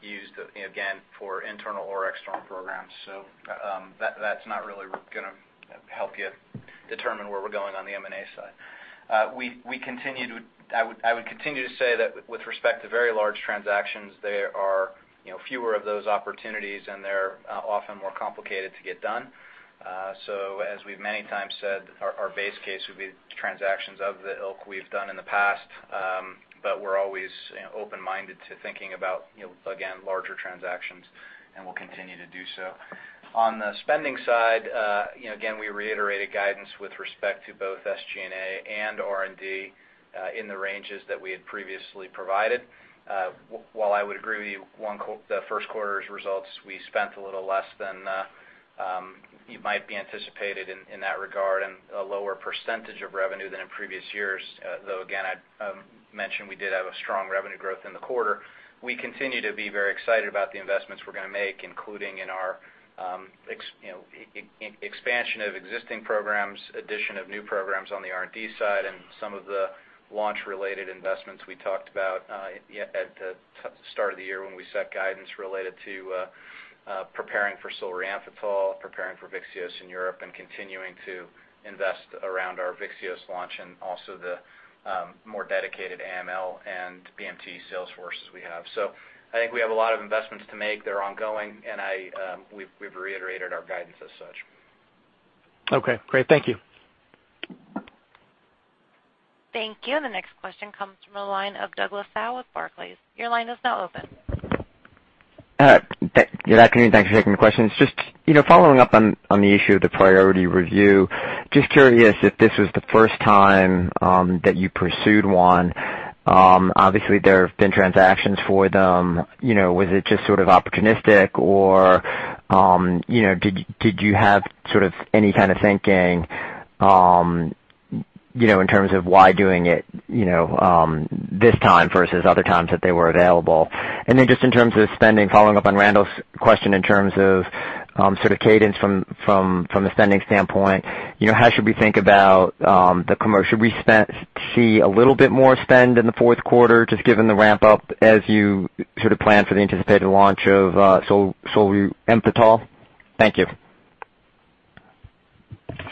used, again, for internal or external programs. That's not really gonna help you determine where we're going on the M&A side. We continue to—I would continue to say that with respect to very large transactions, there are fewer of those opportunities, and they're often more complicated to get done. As we've many times said, our base case would be transactions of the ilk we've done in the past. We're always, you know, open-minded to thinking about, you know, again, larger transactions, and we'll continue to do so. On the spending side, you know, again, we reiterated guidance with respect to both SG&A and R&D in the ranges that we had previously provided. While I would agree with you, the first quarter's results, we spent a little less than you might have anticipated in that regard and a lower percentage of revenue than in previous years. Though again, I'd mention we did have a strong revenue growth in the quarter. We continue to be very excited about the investments we're gonna make, including in our, you know, expansion of existing programs, addition of new programs on the R&D side, and some of the launch-related investments we talked about at the start of the year when we set guidance related to preparing for solriamfetol, preparing for VYXEOS in Europe, and continuing to invest around our VYXEOS launch and also the more dedicated AML and PMT sales forces we have. I think we have a lot of investments to make. They're ongoing, and I, we've reiterated our guidance as such. Okay, great. Thank you. Thank you. The next question comes from the line of Douglas Tsao with Barclays. Your line is now open. Good afternoon. Thanks for taking the questions. Just, you know, following up on the issue of the priority review, just curious if this was the first time that you pursued one. Obviously, there have been transactions for them, you know, was it just sort of opportunistic or, you know, did you have sort of any kind of thinking, you know, in terms of why doing it, you know, this time versus other times that they were available? Then just in terms of spending, following up on Randall's question in terms of sort of cadence from a spending standpoint, you know, how should we think about the commercial? Should we see a little bit more spend in the fourth quarter just given the ramp up as you sort of plan for the anticipated launch of Solriamfetol? Thank you.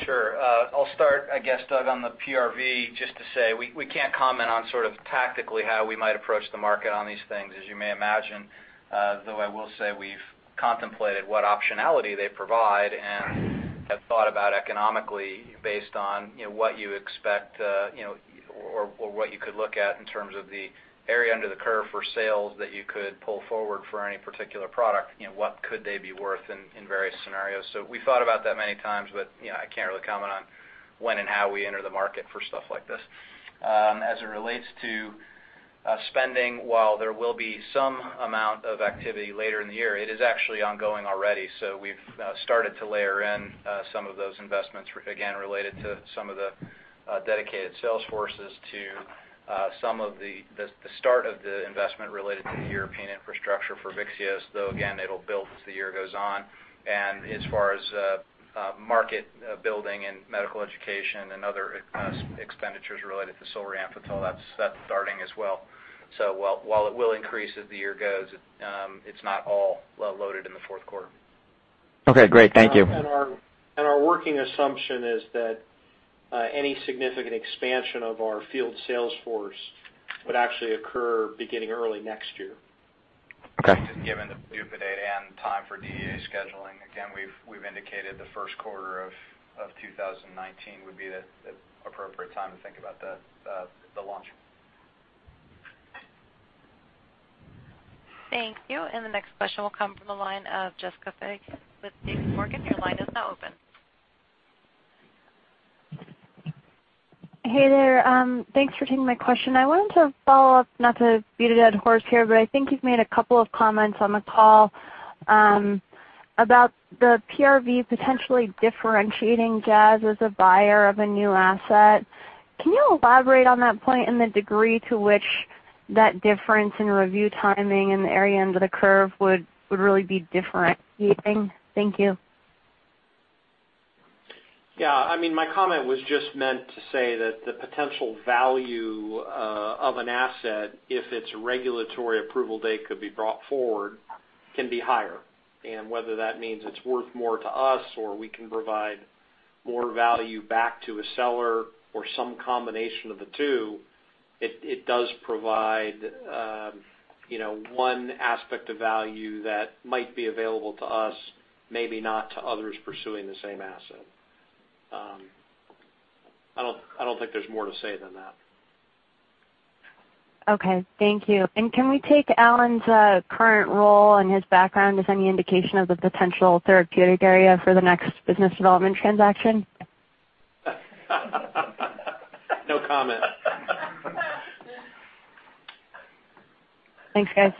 Sure. I'll start, I guess, Doug, on the PRV, just to say we can't comment on sort of tactically how we might approach the market on these things, as you may imagine. Though I will say we've contemplated what optionality they provide and have thought about economically based on, you know, what you expect, or what you could look at in terms of the area under the curve for sales that you could pull forward for any particular product, you know, what could they be worth in various scenarios. We thought about that many times, but, you know, I can't really comment on when and how we enter the market for stuff like this. As it relates to spending, while there will be some amount of activity later in the year, it is actually ongoing already. We've started to layer in some of those investments, again, related to some of the dedicated sales forces to some of the start of the investment related to the European infrastructure for VYXEOS, though, again, it'll build as the year goes on. As far as market building and medical education and other expenditures related to Solriamfetol, that's starting as well. While it will increase as the year goes, it's not all loaded in the fourth quarter. Okay, great. Thank you. Our working assumption is that any significant expansion of our field sales force would actually occur beginning early next year. Okay. Just given the PDUFA date and time for DEA scheduling, again, we've indicated the first quarter of 2019 would be the appropriate time to think about the launch. Thank you. The next question will come from the line of Jessica Fye with J.P. Morgan. Your line is now open. Hey there. Thanks for taking my question. I wanted to follow up, not to beat a dead horse here, but I think you've made a couple of comments on the call, about the PRV potentially differentiating Jazz as a buyer of a new asset. Can you elaborate on that point and the degree to which that difference in review timing and the area under the curve would really be differentiating? Thank you. Yeah, I mean, my comment was just meant to say that the potential value of an asset, if its regulatory approval date could be brought forward, can be higher. Whether that means it's worth more to us or we can provide more value back to a seller or some combination of the two, it does provide, you know, one aspect of value that might be available to us, maybe not to others pursuing the same asset. I don't think there's more to say than that. Okay, thank you. Can we take Allen's current role and his background as any indication of the potential therapeutic area for the next business development transaction? No comment. Thanks, guys.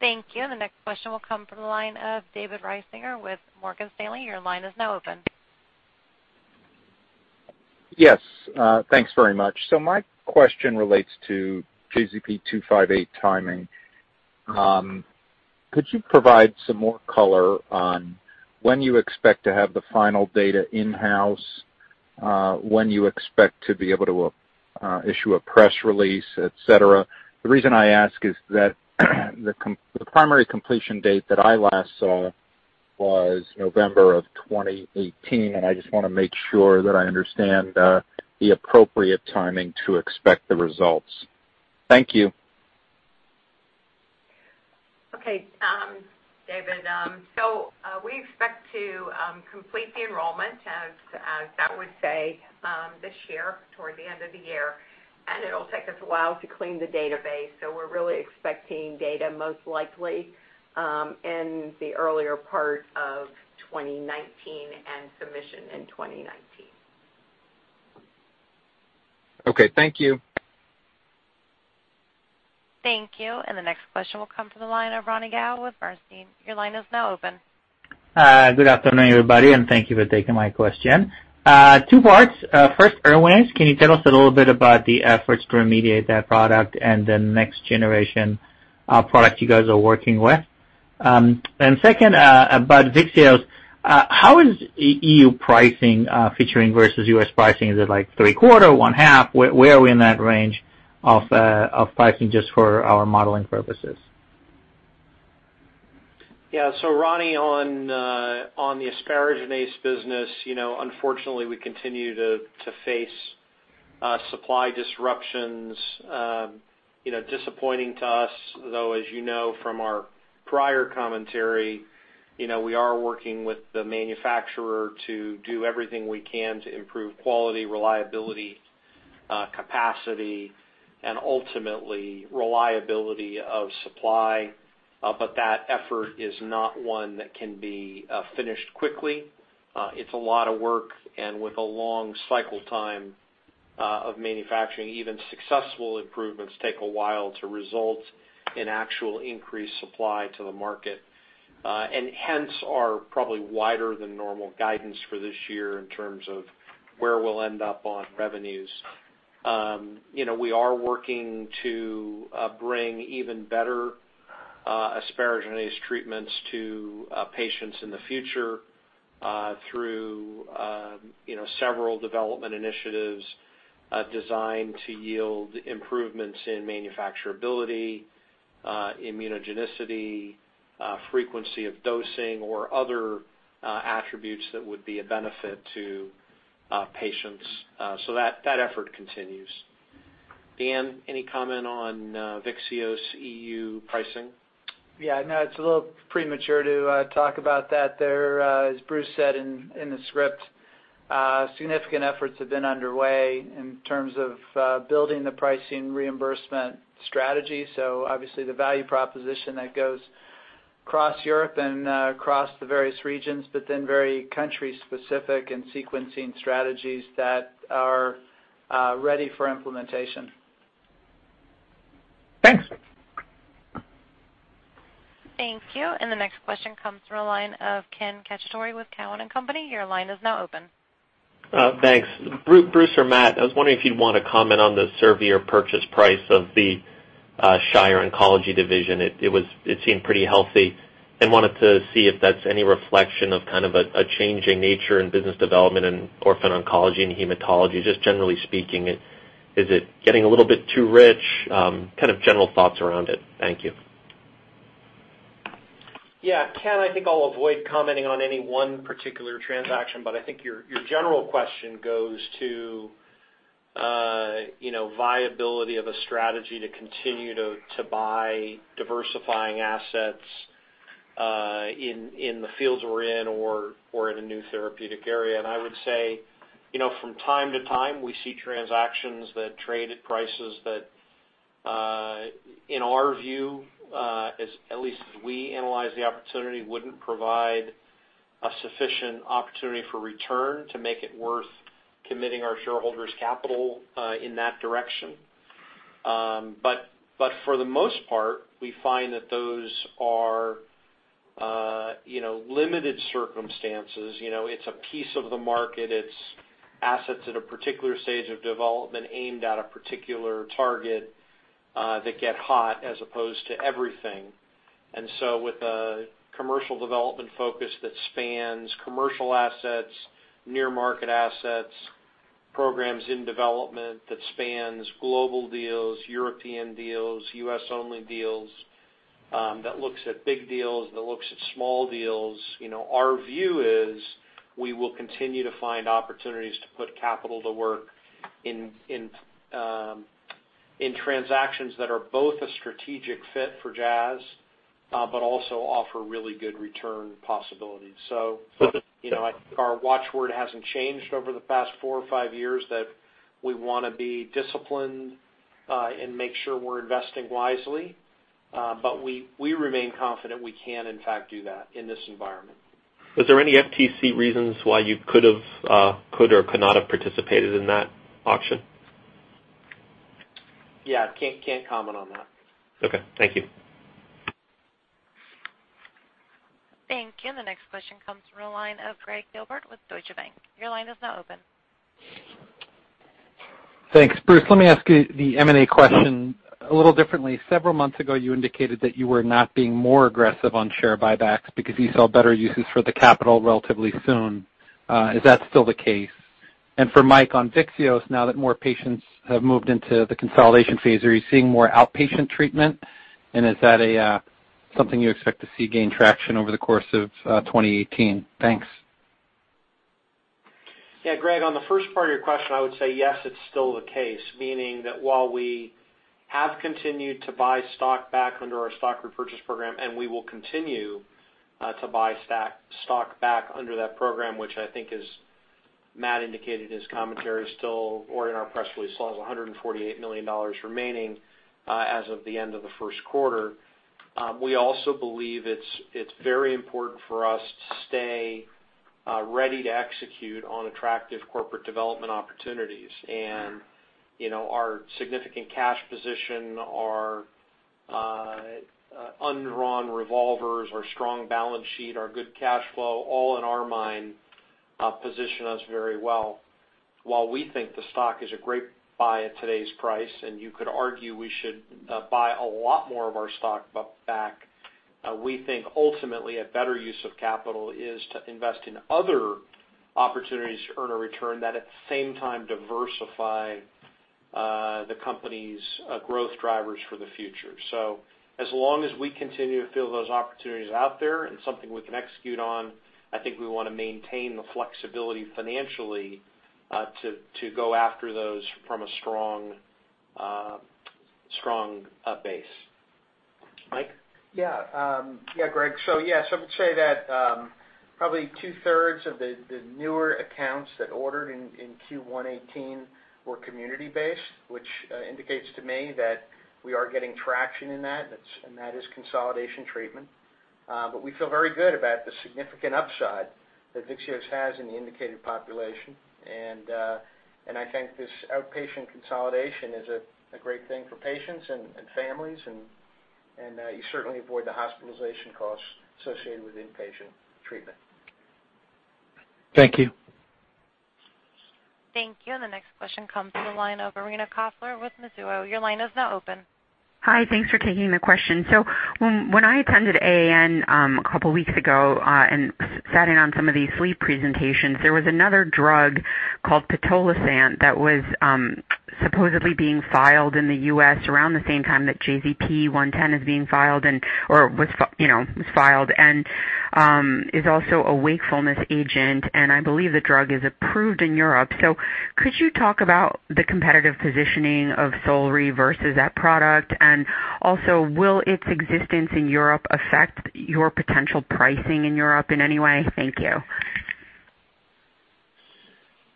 Thank you. The next question will come from the line of David Risinger with Morgan Stanley. Your line is now open. Yes, thanks very much. My question relates to JZP-258 timing. Could you provide some more color on when you expect to have the final data in-house, when you expect to be able to issue a press release, etc.? The reason I ask is that the primary completion date that I last saw was November 2018, and I just wanna make sure that I understand the appropriate timing to expect the results. Thank you. David, we expect to complete the enrollment as Doug would say this year toward the end of the year, and it'll take us a while to clean the database. We're really expecting data most likely in the earlier part of 2019 and submission in 2019. Okay, thank you. Thank you. The next question will come from the line of Ronny Gal with Bernstein. Your line is now open. Good afternoon, everybody, and thank you for taking my question. Two parts. First, ERWINAZE. Can you tell us a little bit about the efforts to remediate that product and the next generation, product you guys are working with? Second, about VYXEOS, how is EU pricing featuring versus US pricing? Is it like three-quarter, one-half? Where are we in that range of pricing just for our modeling purposes? Ronny, on the asparaginase business, you know, unfortunately we continue to face supply disruptions. You know, disappointing to us, though, as you know from our prior commentary, you know, we are working with the manufacturer to do everything we can to improve quality, reliability. Capacity and ultimately reliability of supply. That effort is not one that can be finished quickly. It's a lot of work, with a long cycle time of manufacturing; even successful improvements take a while to result in actual increased supply to the market. Hence are probably wider than normal guidance for this year in terms of where we'll end up on revenues. You know, we are working to bring even better asparaginase treatments to patients in the future through, you know, several development initiatives designed to yield improvements in manufacturability, immunogenicity, frequency of dosing or other attributes that would be a benefit to patients, so that effort continues. Dan, any comment on VYXEOS EU pricing? Yeah, no, it's a little premature to talk about that there. As Bruce said in the script, significant efforts have been underway in terms of building the pricing reimbursement strategy. Obviously the value proposition that goes across Europe and across the various regions, but then very country-specific and sequencing strategies that are ready for implementation. Thanks. Thank you. The next question comes from the line of Ken Cacciatore with Cowen and Company. Your line is now open. Thanks. Bruce or Matt, I was wondering if you'd wanna comment on the acquisition purchase price of the Shire Oncology division. It seemed pretty healthy. I wanted to see if that's any reflection of kind of a changing nature in business development in orphan oncology and hematology. Just generally speaking, is it getting a little bit too rich? Kind of general thoughts around it. Thank you. Yeah, Ken, I think I'll avoid commenting on any one particular transaction, but I think your general question goes to, you know, viability of a strategy to continue to buy diversifying assets, in the fields we're in or in a new therapeutic area. I would say, you know, from time to time, we see transactions that trade at prices that, in our view, at least as we analyze the opportunity, wouldn't provide a sufficient opportunity for return to make it worth committing our shareholders' capital, in that direction. But for the most part, we find that those are, you know, limited circumstances. You know, it's a piece of the market. It's assets at a particular stage of development aimed at a particular target, that get hot as opposed to everything. With a commercial development focus that spans commercial assets, near market assets, programs in development that spans global deals, European deals, US-only deals, that looks at big deals, that looks at small deals. You know, our view is we will continue to find opportunities to put capital to work in transactions that are both a strategic fit for Jazz, but also offer really good return possibilities. You know, I think our watch word hasn't changed over the past four or five years that we wanna be disciplined and make sure we're investing wisely. But we remain confident we can in fact do that in this environment. Is there any FTC reasons why you could have or could not have participated in that auction? Yeah, can't comment on that. Okay, thank you. Thank you. The next question comes from the line of Gregg Gilbert with Deutsche Bank. Your line is now open. Thanks. Bruce, let me ask you the M&A question a little differently. Several months ago, you indicated that you were not being more aggressive on share buybacks because you saw better uses for the capital relatively soon. Is that still the case? For Mike, on VYXEOS, now that more patients have moved into the consolidation phase, are you seeing more outpatient treatment? Is that something you expect to see gain traction over the course of 2018? Thanks. Yeah, Gregg, on the first part of your question, I would say yes, it's still the case. Meaning that while we have continued to buy stock back under our stock repurchase program, and we will continue to buy stock back under that program, which I think as Matt indicated in his commentary, still, as in our press release, still has $148 million remaining, as of the end of the first quarter. We also believe it's very important for us to stay ready to execute on attractive corporate development opportunities. You know, our significant cash position, our undrawn revolvers, our strong balance sheet, our good cash flow, all, in our mind, position us very well. While we think the stock is a great buy at today's price, and you could argue we should buy a lot more of our stock back, we think ultimately a better use of capital is to invest in other opportunities to earn a return that at the same time diversify the company's growth drivers for the future. As long as we continue to feel those opportunities out there and something we can execute on, I think we wanna maintain the flexibility financially to go after those from a strong base. Mike? Yeah. Yeah, Gregg. Yes, I would say that probably two-thirds of the newer accounts that ordered in Q1 2018 were community-based, which indicates to me that we are getting traction in that. And that is consolidation treatment. But we feel very good about the significant upside that VYXEOS has in the indicated population. I think this outpatient consolidation is a great thing for patients and families, and you certainly avoid the hospitalization costs associated with inpatient treatment. Thank you. Thank you. The next question comes from the line of Irina Koffler with Mizuho. Your line is now open. Hi. Thanks for taking the question. When I attended AAN a couple weeks ago and sat in on some of these sleep presentations, there was another drug called pitolisant that was supposedly being filed in the U.S. around the same time that JZP-110 is being filed and, or you know, was filed, and is also a wakefulness agent, and I believe the drug is approved in Europe. Could you talk about the competitive positioning of solriamfetol versus that product? Also, will its existence in Europe affect your potential pricing in Europe in any way? Thank you.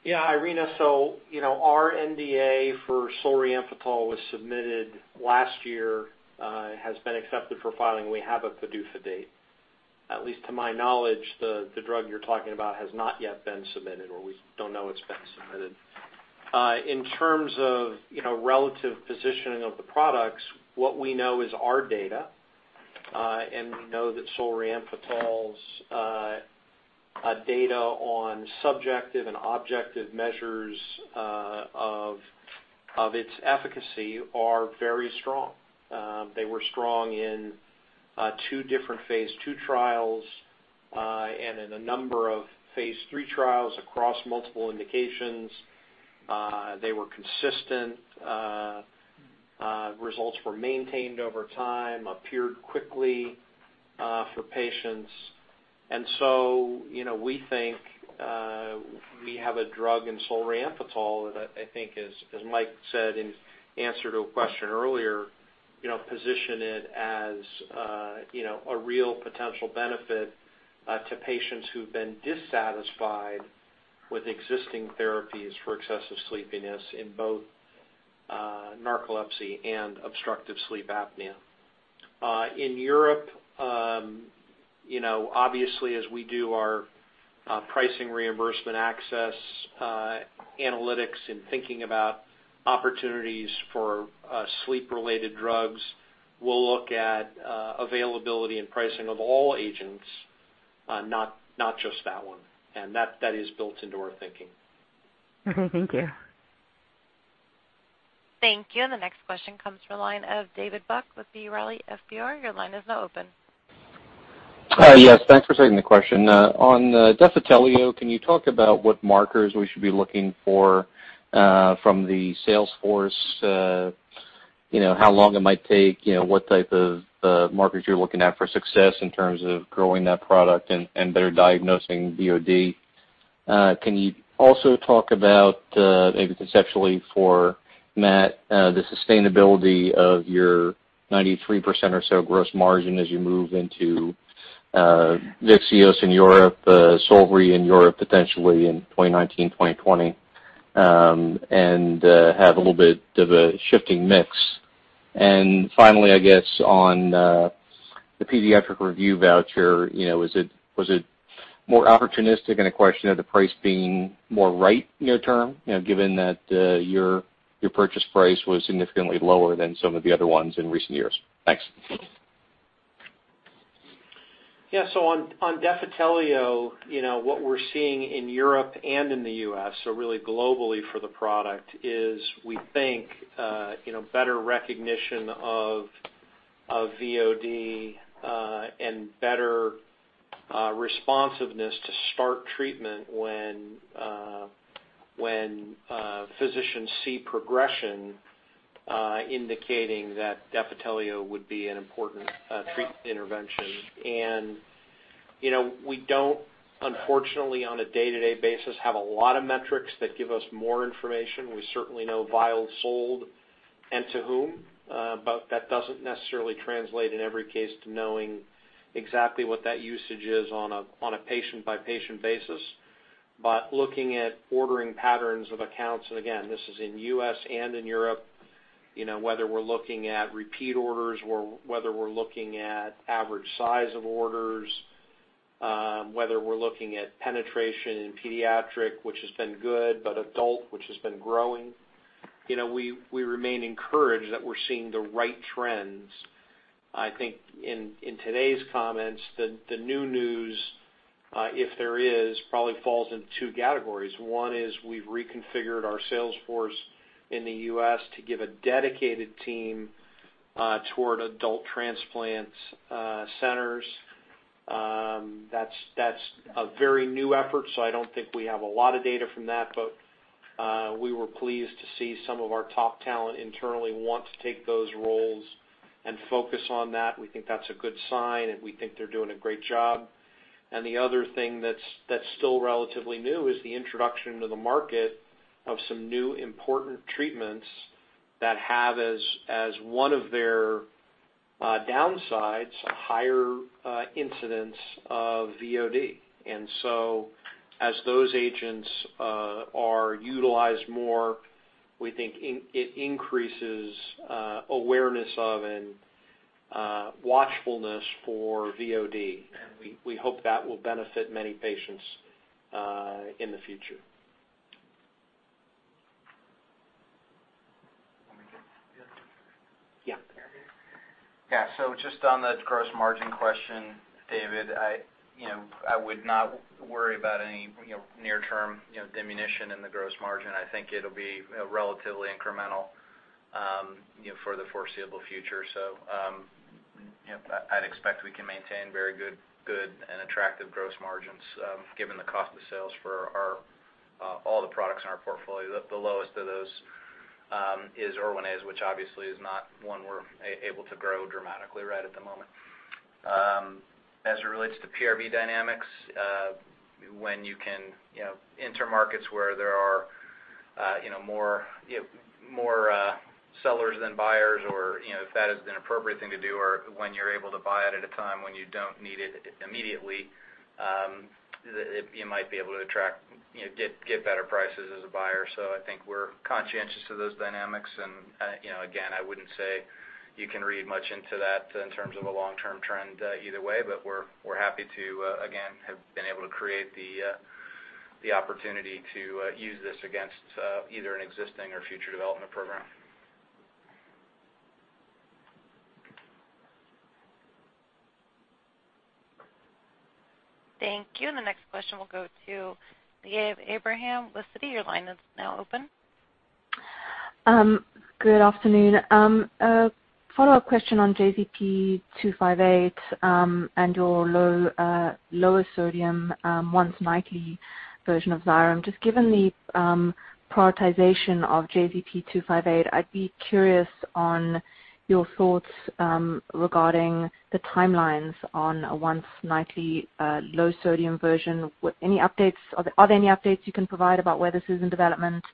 Yeah, Irina. Our NDA for solriamfetol was submitted last year, has been accepted for filing. We have a PDUFA date. At least to my knowledge, the drug you're talking about has not yet been submitted, or we don't know it's been submitted. In terms of, you know, relative positioning of the products, what we know is our data, and we know that solriamfetol's data on subjective and objective measures of its efficacy are very strong. They were strong in two different phase II trials, and in a number of phase III trials across multiple indications. They were consistent. Results were maintained over time, appeared quickly, for patients. You know, we think we have a drug in solriamfetol that I think is, as Mike said in answer to a question earlier, you know, position it as, you know, a real potential benefit to patients who've been dissatisfied with existing therapies for excessive sleepiness in both narcolepsy and obstructive sleep apnea. In Europe, you know, obviously, as we do our pricing, reimbursement, access analytics and thinking about opportunities for sleep-related drugs, we'll look at availability and pricing of all agents, not just that one. That is built into our thinking. Okay. Thank you. Thank you. The next question comes from the line of David Buck with B. Riley FBR. Your line is now open. Yes, thanks for taking the question. On Defitelio, can you talk about what markers we should be looking for from the sales force? You know, how long it might take, you know, what type of markers you're looking at for success in terms of growing that product and better diagnosing VOD? Can you also talk about maybe conceptually for Matt the sustainability of your 93% or so gross margin as you move into VYXEOS in Europe, solriamfetol in Europe potentially in 2019, 2020, and have a little bit of a shifting mix? Finally, I guess on the pediatric review voucher, you know, was it more opportunistic in a question of the price being more right near term, you know, given that your purchase price was significantly lower than some of the other ones in recent years? Thanks. Yeah. On Defitelio, you know, what we're seeing in Europe and in the US, so really globally for the product is, we think, you know, better recognition of VOD and better responsiveness to start treatment when physicians see progression, indicating that Defitelio would be an important treatment intervention. You know, we don't, unfortunately, on a day-to-day basis, have a lot of metrics that give us more information. We certainly know vials sold and to whom, but that doesn't necessarily translate in every case to knowing exactly what that usage is on a patient-by-patient basis. Looking at ordering patterns of accounts, and again, this is in U.S. and in Europe, you know, whether we're looking at repeat orders or whether we're looking at average size of orders, whether we're looking at penetration in pediatric, which has been good, but adult, which has been growing. You know, we remain encouraged that we're seeing the right trends. I think in today's comments, the new news, if there is, probably falls into two categories. One is we've reconfigured our sales force in the U.S. to give a dedicated team toward adult transplant centers. That's a very new effort, so I don't think we have a lot of data from that. We were pleased to see some of our top talent internally want to take those roles and focus on that. We think that's a good sign, and we think they're doing a great job. The other thing that's still relatively new is the introduction to the market of some new important treatments that have as one of their downsides, a higher incidence of VOD. As those agents are utilized more, we think it increases awareness of and watchfulness for VOD. We hope that will benefit many patients in the future. Want me to take this? Yeah. Yeah. Just on the gross margin question, David, I you know would not worry about any you know near term you know diminution in the gross margin. I think it'll be you know relatively incremental you know for the foreseeable future. You know I'd expect we can maintain very good and attractive gross margins given the cost of sales for our all the products in our portfolio. The lowest of those is Erwinaze, which obviously is not one we're able to grow dramatically right at the moment. As it relates to PRV dynamics, when you can, you know, enter markets where there are, you know, more sellers than buyers or, you know, if that is an appropriate thing to do or when you're able to buy it at a time when you don't need it immediately, you might be able to attract, you know, get better prices as a buyer. I think we're conscious of those dynamics. You know, again, I wouldn't say you can read much into that in terms of a long-term trend, either way. We're happy to, again, have been able to create the opportunity to use this against either an existing or future development program. Thank you. The next question will go to Liav Abraham with Citi. Your line is now open. Good afternoon. A follow-up question on JZP-258, and your lower sodium once-nightly version of XYREM. Just given the prioritization of JZP-507-258, I'd be curious on your thoughts regarding the timelines on a once-nightly low sodium version. Any updates, are there any updates you can provide about where this is in development,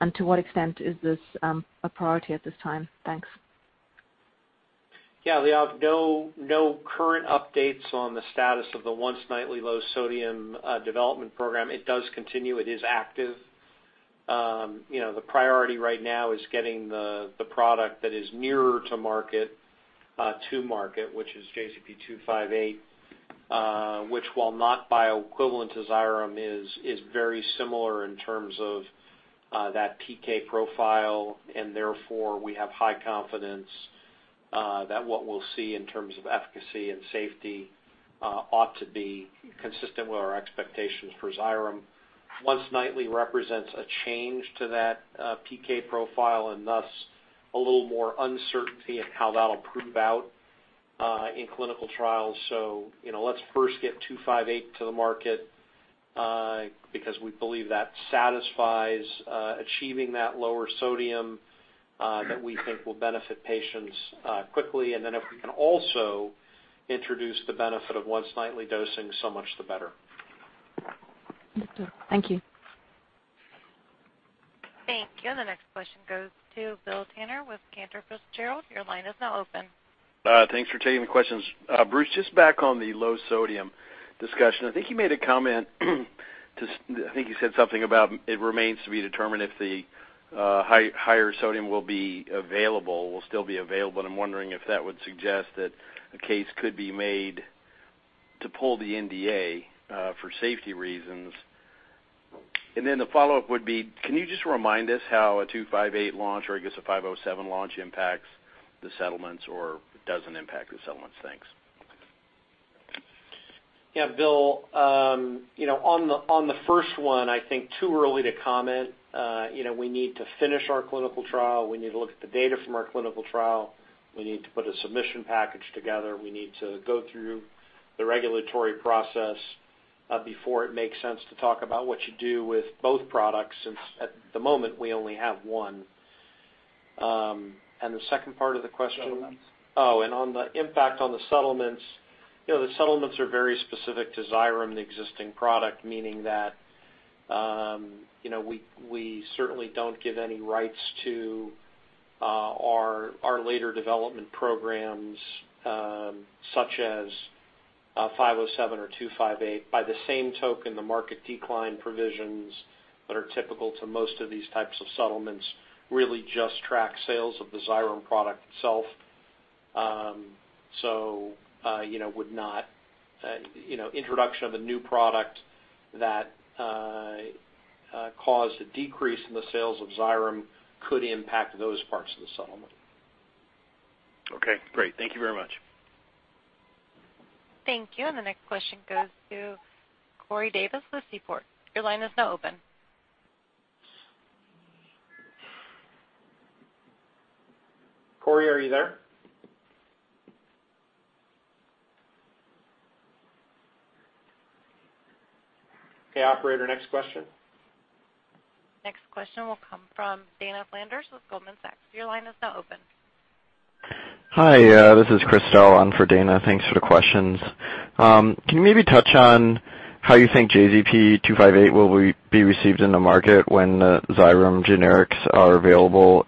and to what extent is this a priority at this time? Thanks. Yeah, Liav, no current updates on the status of the once nightly low sodium development program. It does continue. It is active. You know, the priority right now is getting the product that is nearer to market to market, which is JZP-258, which while not bioequivalent as XYREM, is very similar in terms of that PK profile, and therefore we have high confidence that what we'll see in terms of efficacy and safety ought to be consistent with our expectations for XYREM. Once nightly represents a change to that PK profile and thus a little more uncertainty in how that'll prove out in clinical trials. You know, let's first get JZP-258 to the market because we believe that satisfies achieving that lower sodium that we think will benefit patients quickly. If we can also introduce the benefit of once nightly dosing, so much the better. Thank you. Thank you. The next question goes to William Tanner with Cantor Fitzgerald. Your line is now open. Thanks for taking the questions. Bruce, just back on the low sodium discussion. I think you said something about it remains to be determined if the higher sodium will be available, will still be available, and I'm wondering if that would suggest that a case could be made to pull the NDA for safety reasons. Then the follow-up would be, can you just remind us how a JZP-258 launch or I guess a JZP-507 launch impacts the settlements or doesn't impact the settlements? Thanks. Yeah, Bill, you know, on the first one, I think too early to comment. You know, we need to finish our clinical trial. We need to look at the data from our clinical trial. We need to put a submission package together. We need to go through the regulatory process before it makes sense to talk about what you do with both products, since at the moment we only have one. The second part of the question? Settlements. On the impact on the settlements, you know, the settlements are very specific to XYREM, the existing product, meaning that, you know, we certainly don't give any rights to our later development programs, such as JZP-507 or JZP-258. By the same token, the market decline provisions that are typical to most of these types of settlements really just track sales of the XYREM product itself. You know, introduction of a new product that caused a decrease in the sales of XYREM could impact those parts of the settlement. Okay, great. Thank you very much. Thank you. The next question goes to Corey Davis with Seaport. Your line is now open. Corey, are you there? Okay, operator, next question. Next question will come from Dana Flanders with Goldman Sachs. Your line is now open. Hi, this is Chris for Dana. Thanks for the questions. Can you maybe touch on how you think JZP-258 will be received in the market when the XYREM generics are available?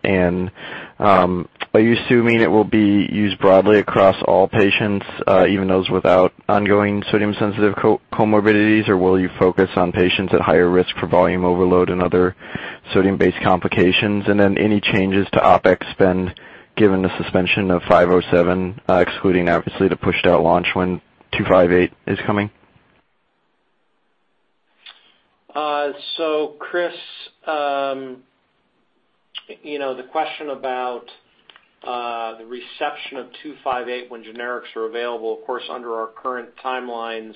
Are you assuming it will be used broadly across all patients, even those without ongoing sodium-sensitive comorbidities? Or will you focus on patients at higher risk for volume overload and other sodium-based complications? Then any changes to OpEx spend given the suspension of JZP-507, excluding obviously the pushed out launch when JZP-258 is coming? Chris, you know the question about the reception of JZP-258 when generics are available, of course, under our current timelines,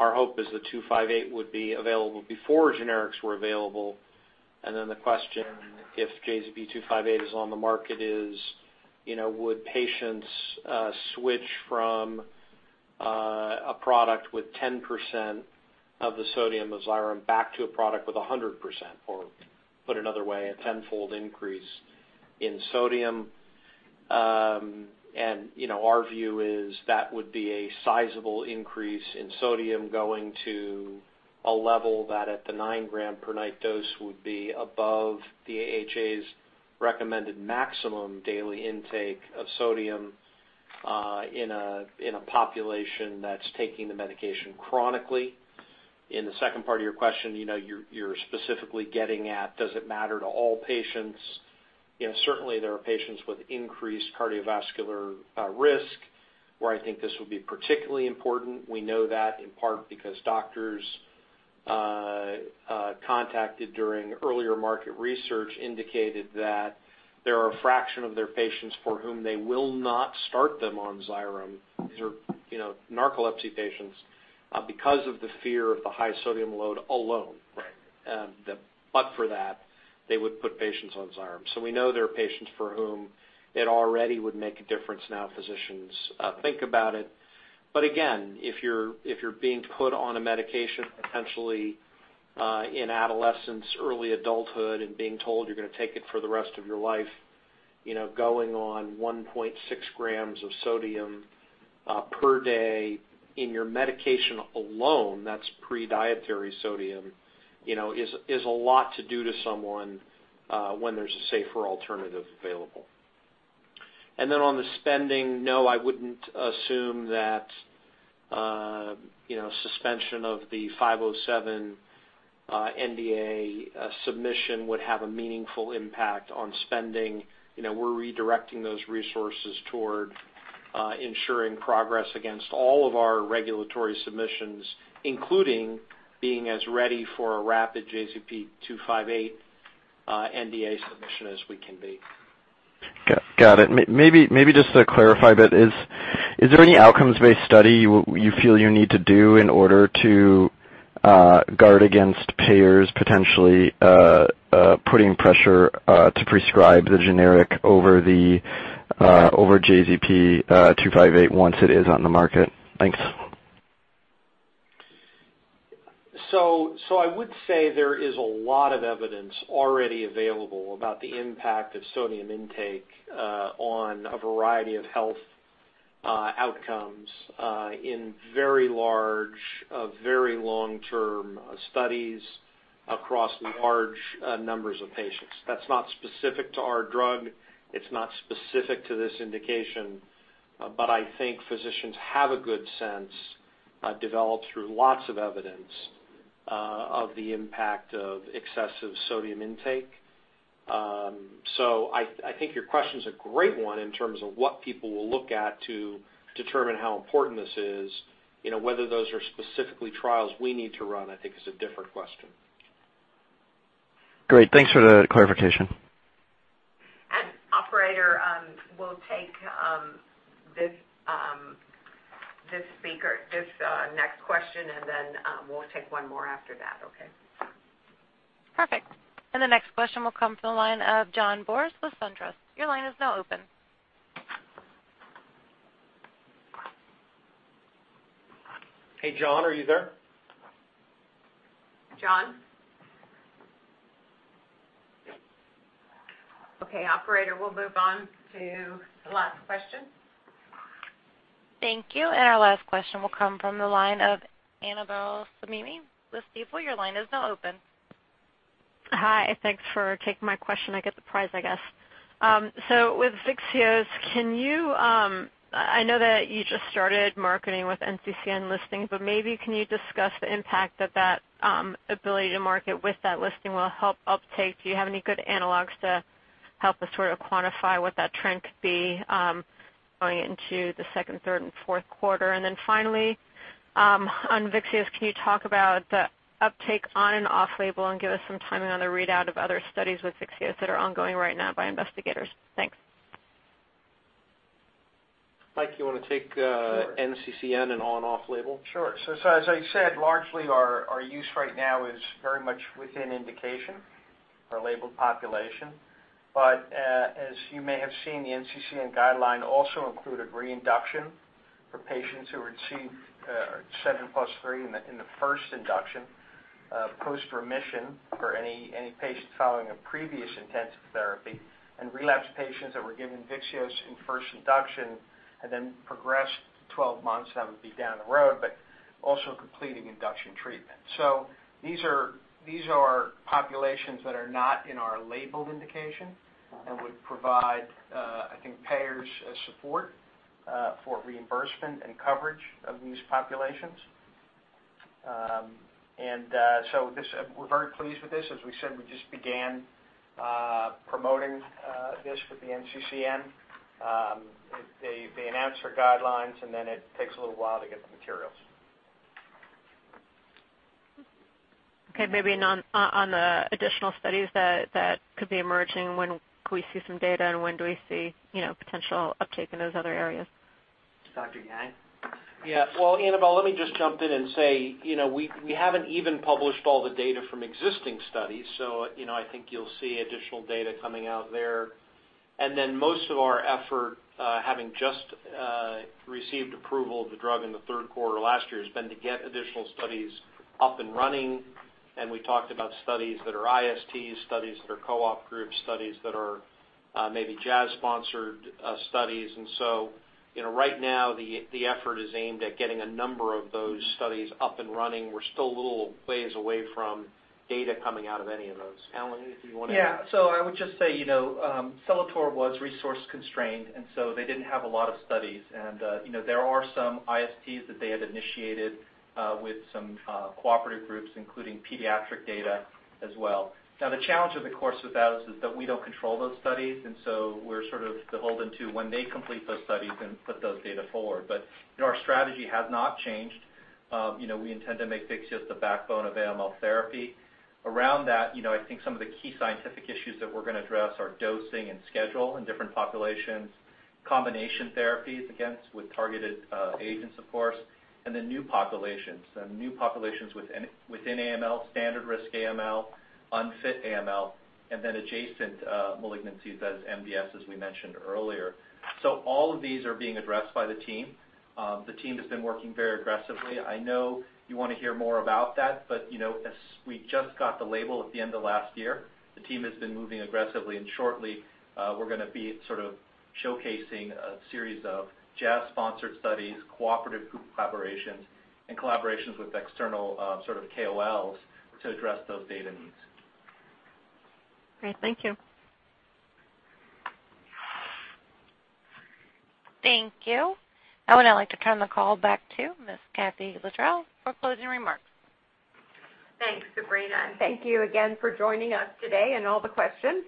our hope is that JZP-258 would be available before generics were available. Then the question, if JZP-258 is on the market is, you know, would patients switch from a product with 10% of the sodium of XYREM back to a product with 100%? Or put another way, a tenfold increase in sodium. Our view is that would be a sizable increase in sodium going to a level that at the 9 gram per night dose would be above the AHA's recommended maximum daily intake of sodium, in a population that's taking the medication chronically. In the second part of your question, you know, you're specifically getting at does it matter to all patients? You know, certainly there are patients with increased cardiovascular risk where I think this would be particularly important. We know that in part because doctors contacted during earlier market research indicated that there are a fraction of their patients for whom they will not start them on XYREM. These are, you know, narcolepsy patients because of the fear of the high sodium load alone. For that, they would put patients on XYREM. We know there are patients for whom it already would make a difference. Now physicians think about it. Again, if you're being put on a medication potentially in adolescence, early adulthood, and being told you're gonna take it for the rest of your life, you know, going on 1.6 grams of sodium per day in your medication alone, that's pre-dietary sodium, you know, is a lot to do to someone when there's a safer alternative available. On the spending, no, I wouldn't assume that, you know, suspension of the JZP-507 NDA submission would have a meaningful impact on spending. You know, we're redirecting those resources toward ensuring progress against all of our regulatory submissions, including being as ready for a rapid JZP-258 NDA submission as we can be. Got it. Maybe just to clarify a bit. Is there any outcomes-based study you feel you need to do in order to guard against payers potentially putting pressure to prescribe the generic over JZP-258 once it is on the market? Thanks. I would say there is a lot of evidence already available about the impact of sodium intake on a variety of health outcomes in very large very long-term studies across large numbers of patients. That's not specific to our drug. It's not specific to this indication. I think physicians have a good sense developed through lots of evidence of the impact of excessive sodium intake. I think your question's a great one in terms of what people will look at to determine how important this is. You know, whether those are specifically trials we need to run, I think is a different question. Great. Thanks for the clarification. Operator, we'll take this next question, and then we'll take one more after that, okay? Perfect. The next question will come from the line of John Boris with SunTrust. Your line is now open. Hey, John, are you there? John? Okay, operator, we'll move on to the last question. Thank you. Our last question will come from the line of Annabel Samimy with Stifel. Your line is now open. Hi. Thanks for taking my question. I get the prize, I guess. With VYXEOS, can you, I know that you just started marketing with NCCN listing, but maybe can you discuss the impact that that ability to market with that listing will help uptake? Do you have any good analogs to help us sort of quantify what that trend could be, going into the second, third and fourth quarter? Finally, on VYXEOS, can you talk about the uptake on- and off-label and give us some timing on the readout of other studies with VYXEOS that are ongoing right now by investigators? Thanks. Mike, you wanna take Sure. -NCCN and on off label? Sure. As I said, largely our use right now is very much within indication for labeled population. As you may have seen, the NCCN guideline also included reinduction for patients who received 7+3 in the first induction post-remission for any patient following a previous intensive therapy, and relapse patients that were given VYXEOS in first induction and then progressed 12 months, that would be down the road, but also completing induction treatment. These are populations that are not in our labeled indication and would provide, I think payer support, for reimbursement and coverage of these populations. We're very pleased with this. As we said, we just began promoting this with the NCCN. They announce their guidelines, and then it takes a little while to get the materials. Okay. Maybe on the additional studies that could be emerging, when could we see some data and when do we see, you know, potential uptake in those other areas? Dr. Yang? Well, Annabel, let me just jump in and say, you know, we haven't even published all the data from existing studies, so, you know, I think you'll see additional data coming out there. Most of our effort, having just received approval of the drug in the third quarter last year, has been to get additional studies up and running, and we talked about studies that are ISTs, studies that are cooperative group studies that are, maybe Jazz-sponsored, studies. You know, right now, the effort is aimed at getting a number of those studies up and running. We're still a little ways away from data coming out of any of those. Allen, do you want to- Yeah. I would just say, you know, Celator was resource constrained, and so they didn't have a lot of studies. You know, there are some ISTs that they had initiated with some cooperative groups, including pediatric data as well. The challenge of course with that is that we don't control those studies, and so we're sort of beholden to when they complete those studies and put those data forward. You know, our strategy has not changed. You know, we intend to make VYXEOS the backbone of AML therapy. Around that, you know, I think some of the key scientific issues that we're gonna address are dosing and schedule in different populations, combination therapies along with targeted agents, of course, and then new populations. New populations within AML, standard risk AML, unfit AML, and then adjacent malignancies as MDS, as we mentioned earlier. All of these are being addressed by the team. The team has been working very aggressively. I know you wanna hear more about that, but you know, as we just got the label at the end of last year, the team has been moving aggressively, and shortly we're gonna be sort of showcasing a series of Jazz-sponsored studies, cooperative group collaborations, and collaborations with external sort of KOLs to address those data needs. Great. Thank you. Thank you. Now I'd like to turn the call back to Miss Kathee Littrell for closing remarks. Thanks, Sabrina, and thank you again for joining us today and all the questions.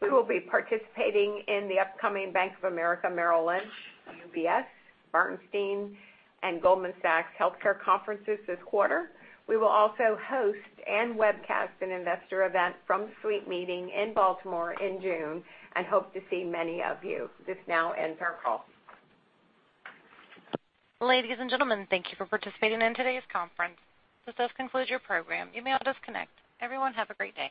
We will be participating in the upcoming Bank of America Merrill Lynch, UBS, Bernstein, and Goldman Sachs healthcare conferences this quarter. We will also host and webcast an investor event from SLEEP Meeting in Baltimore in June and hope to see many of you. This now ends our call. Ladies and gentlemen, thank you for participating in today's conference. This does conclude your program. You may all disconnect. Everyone, have a great day.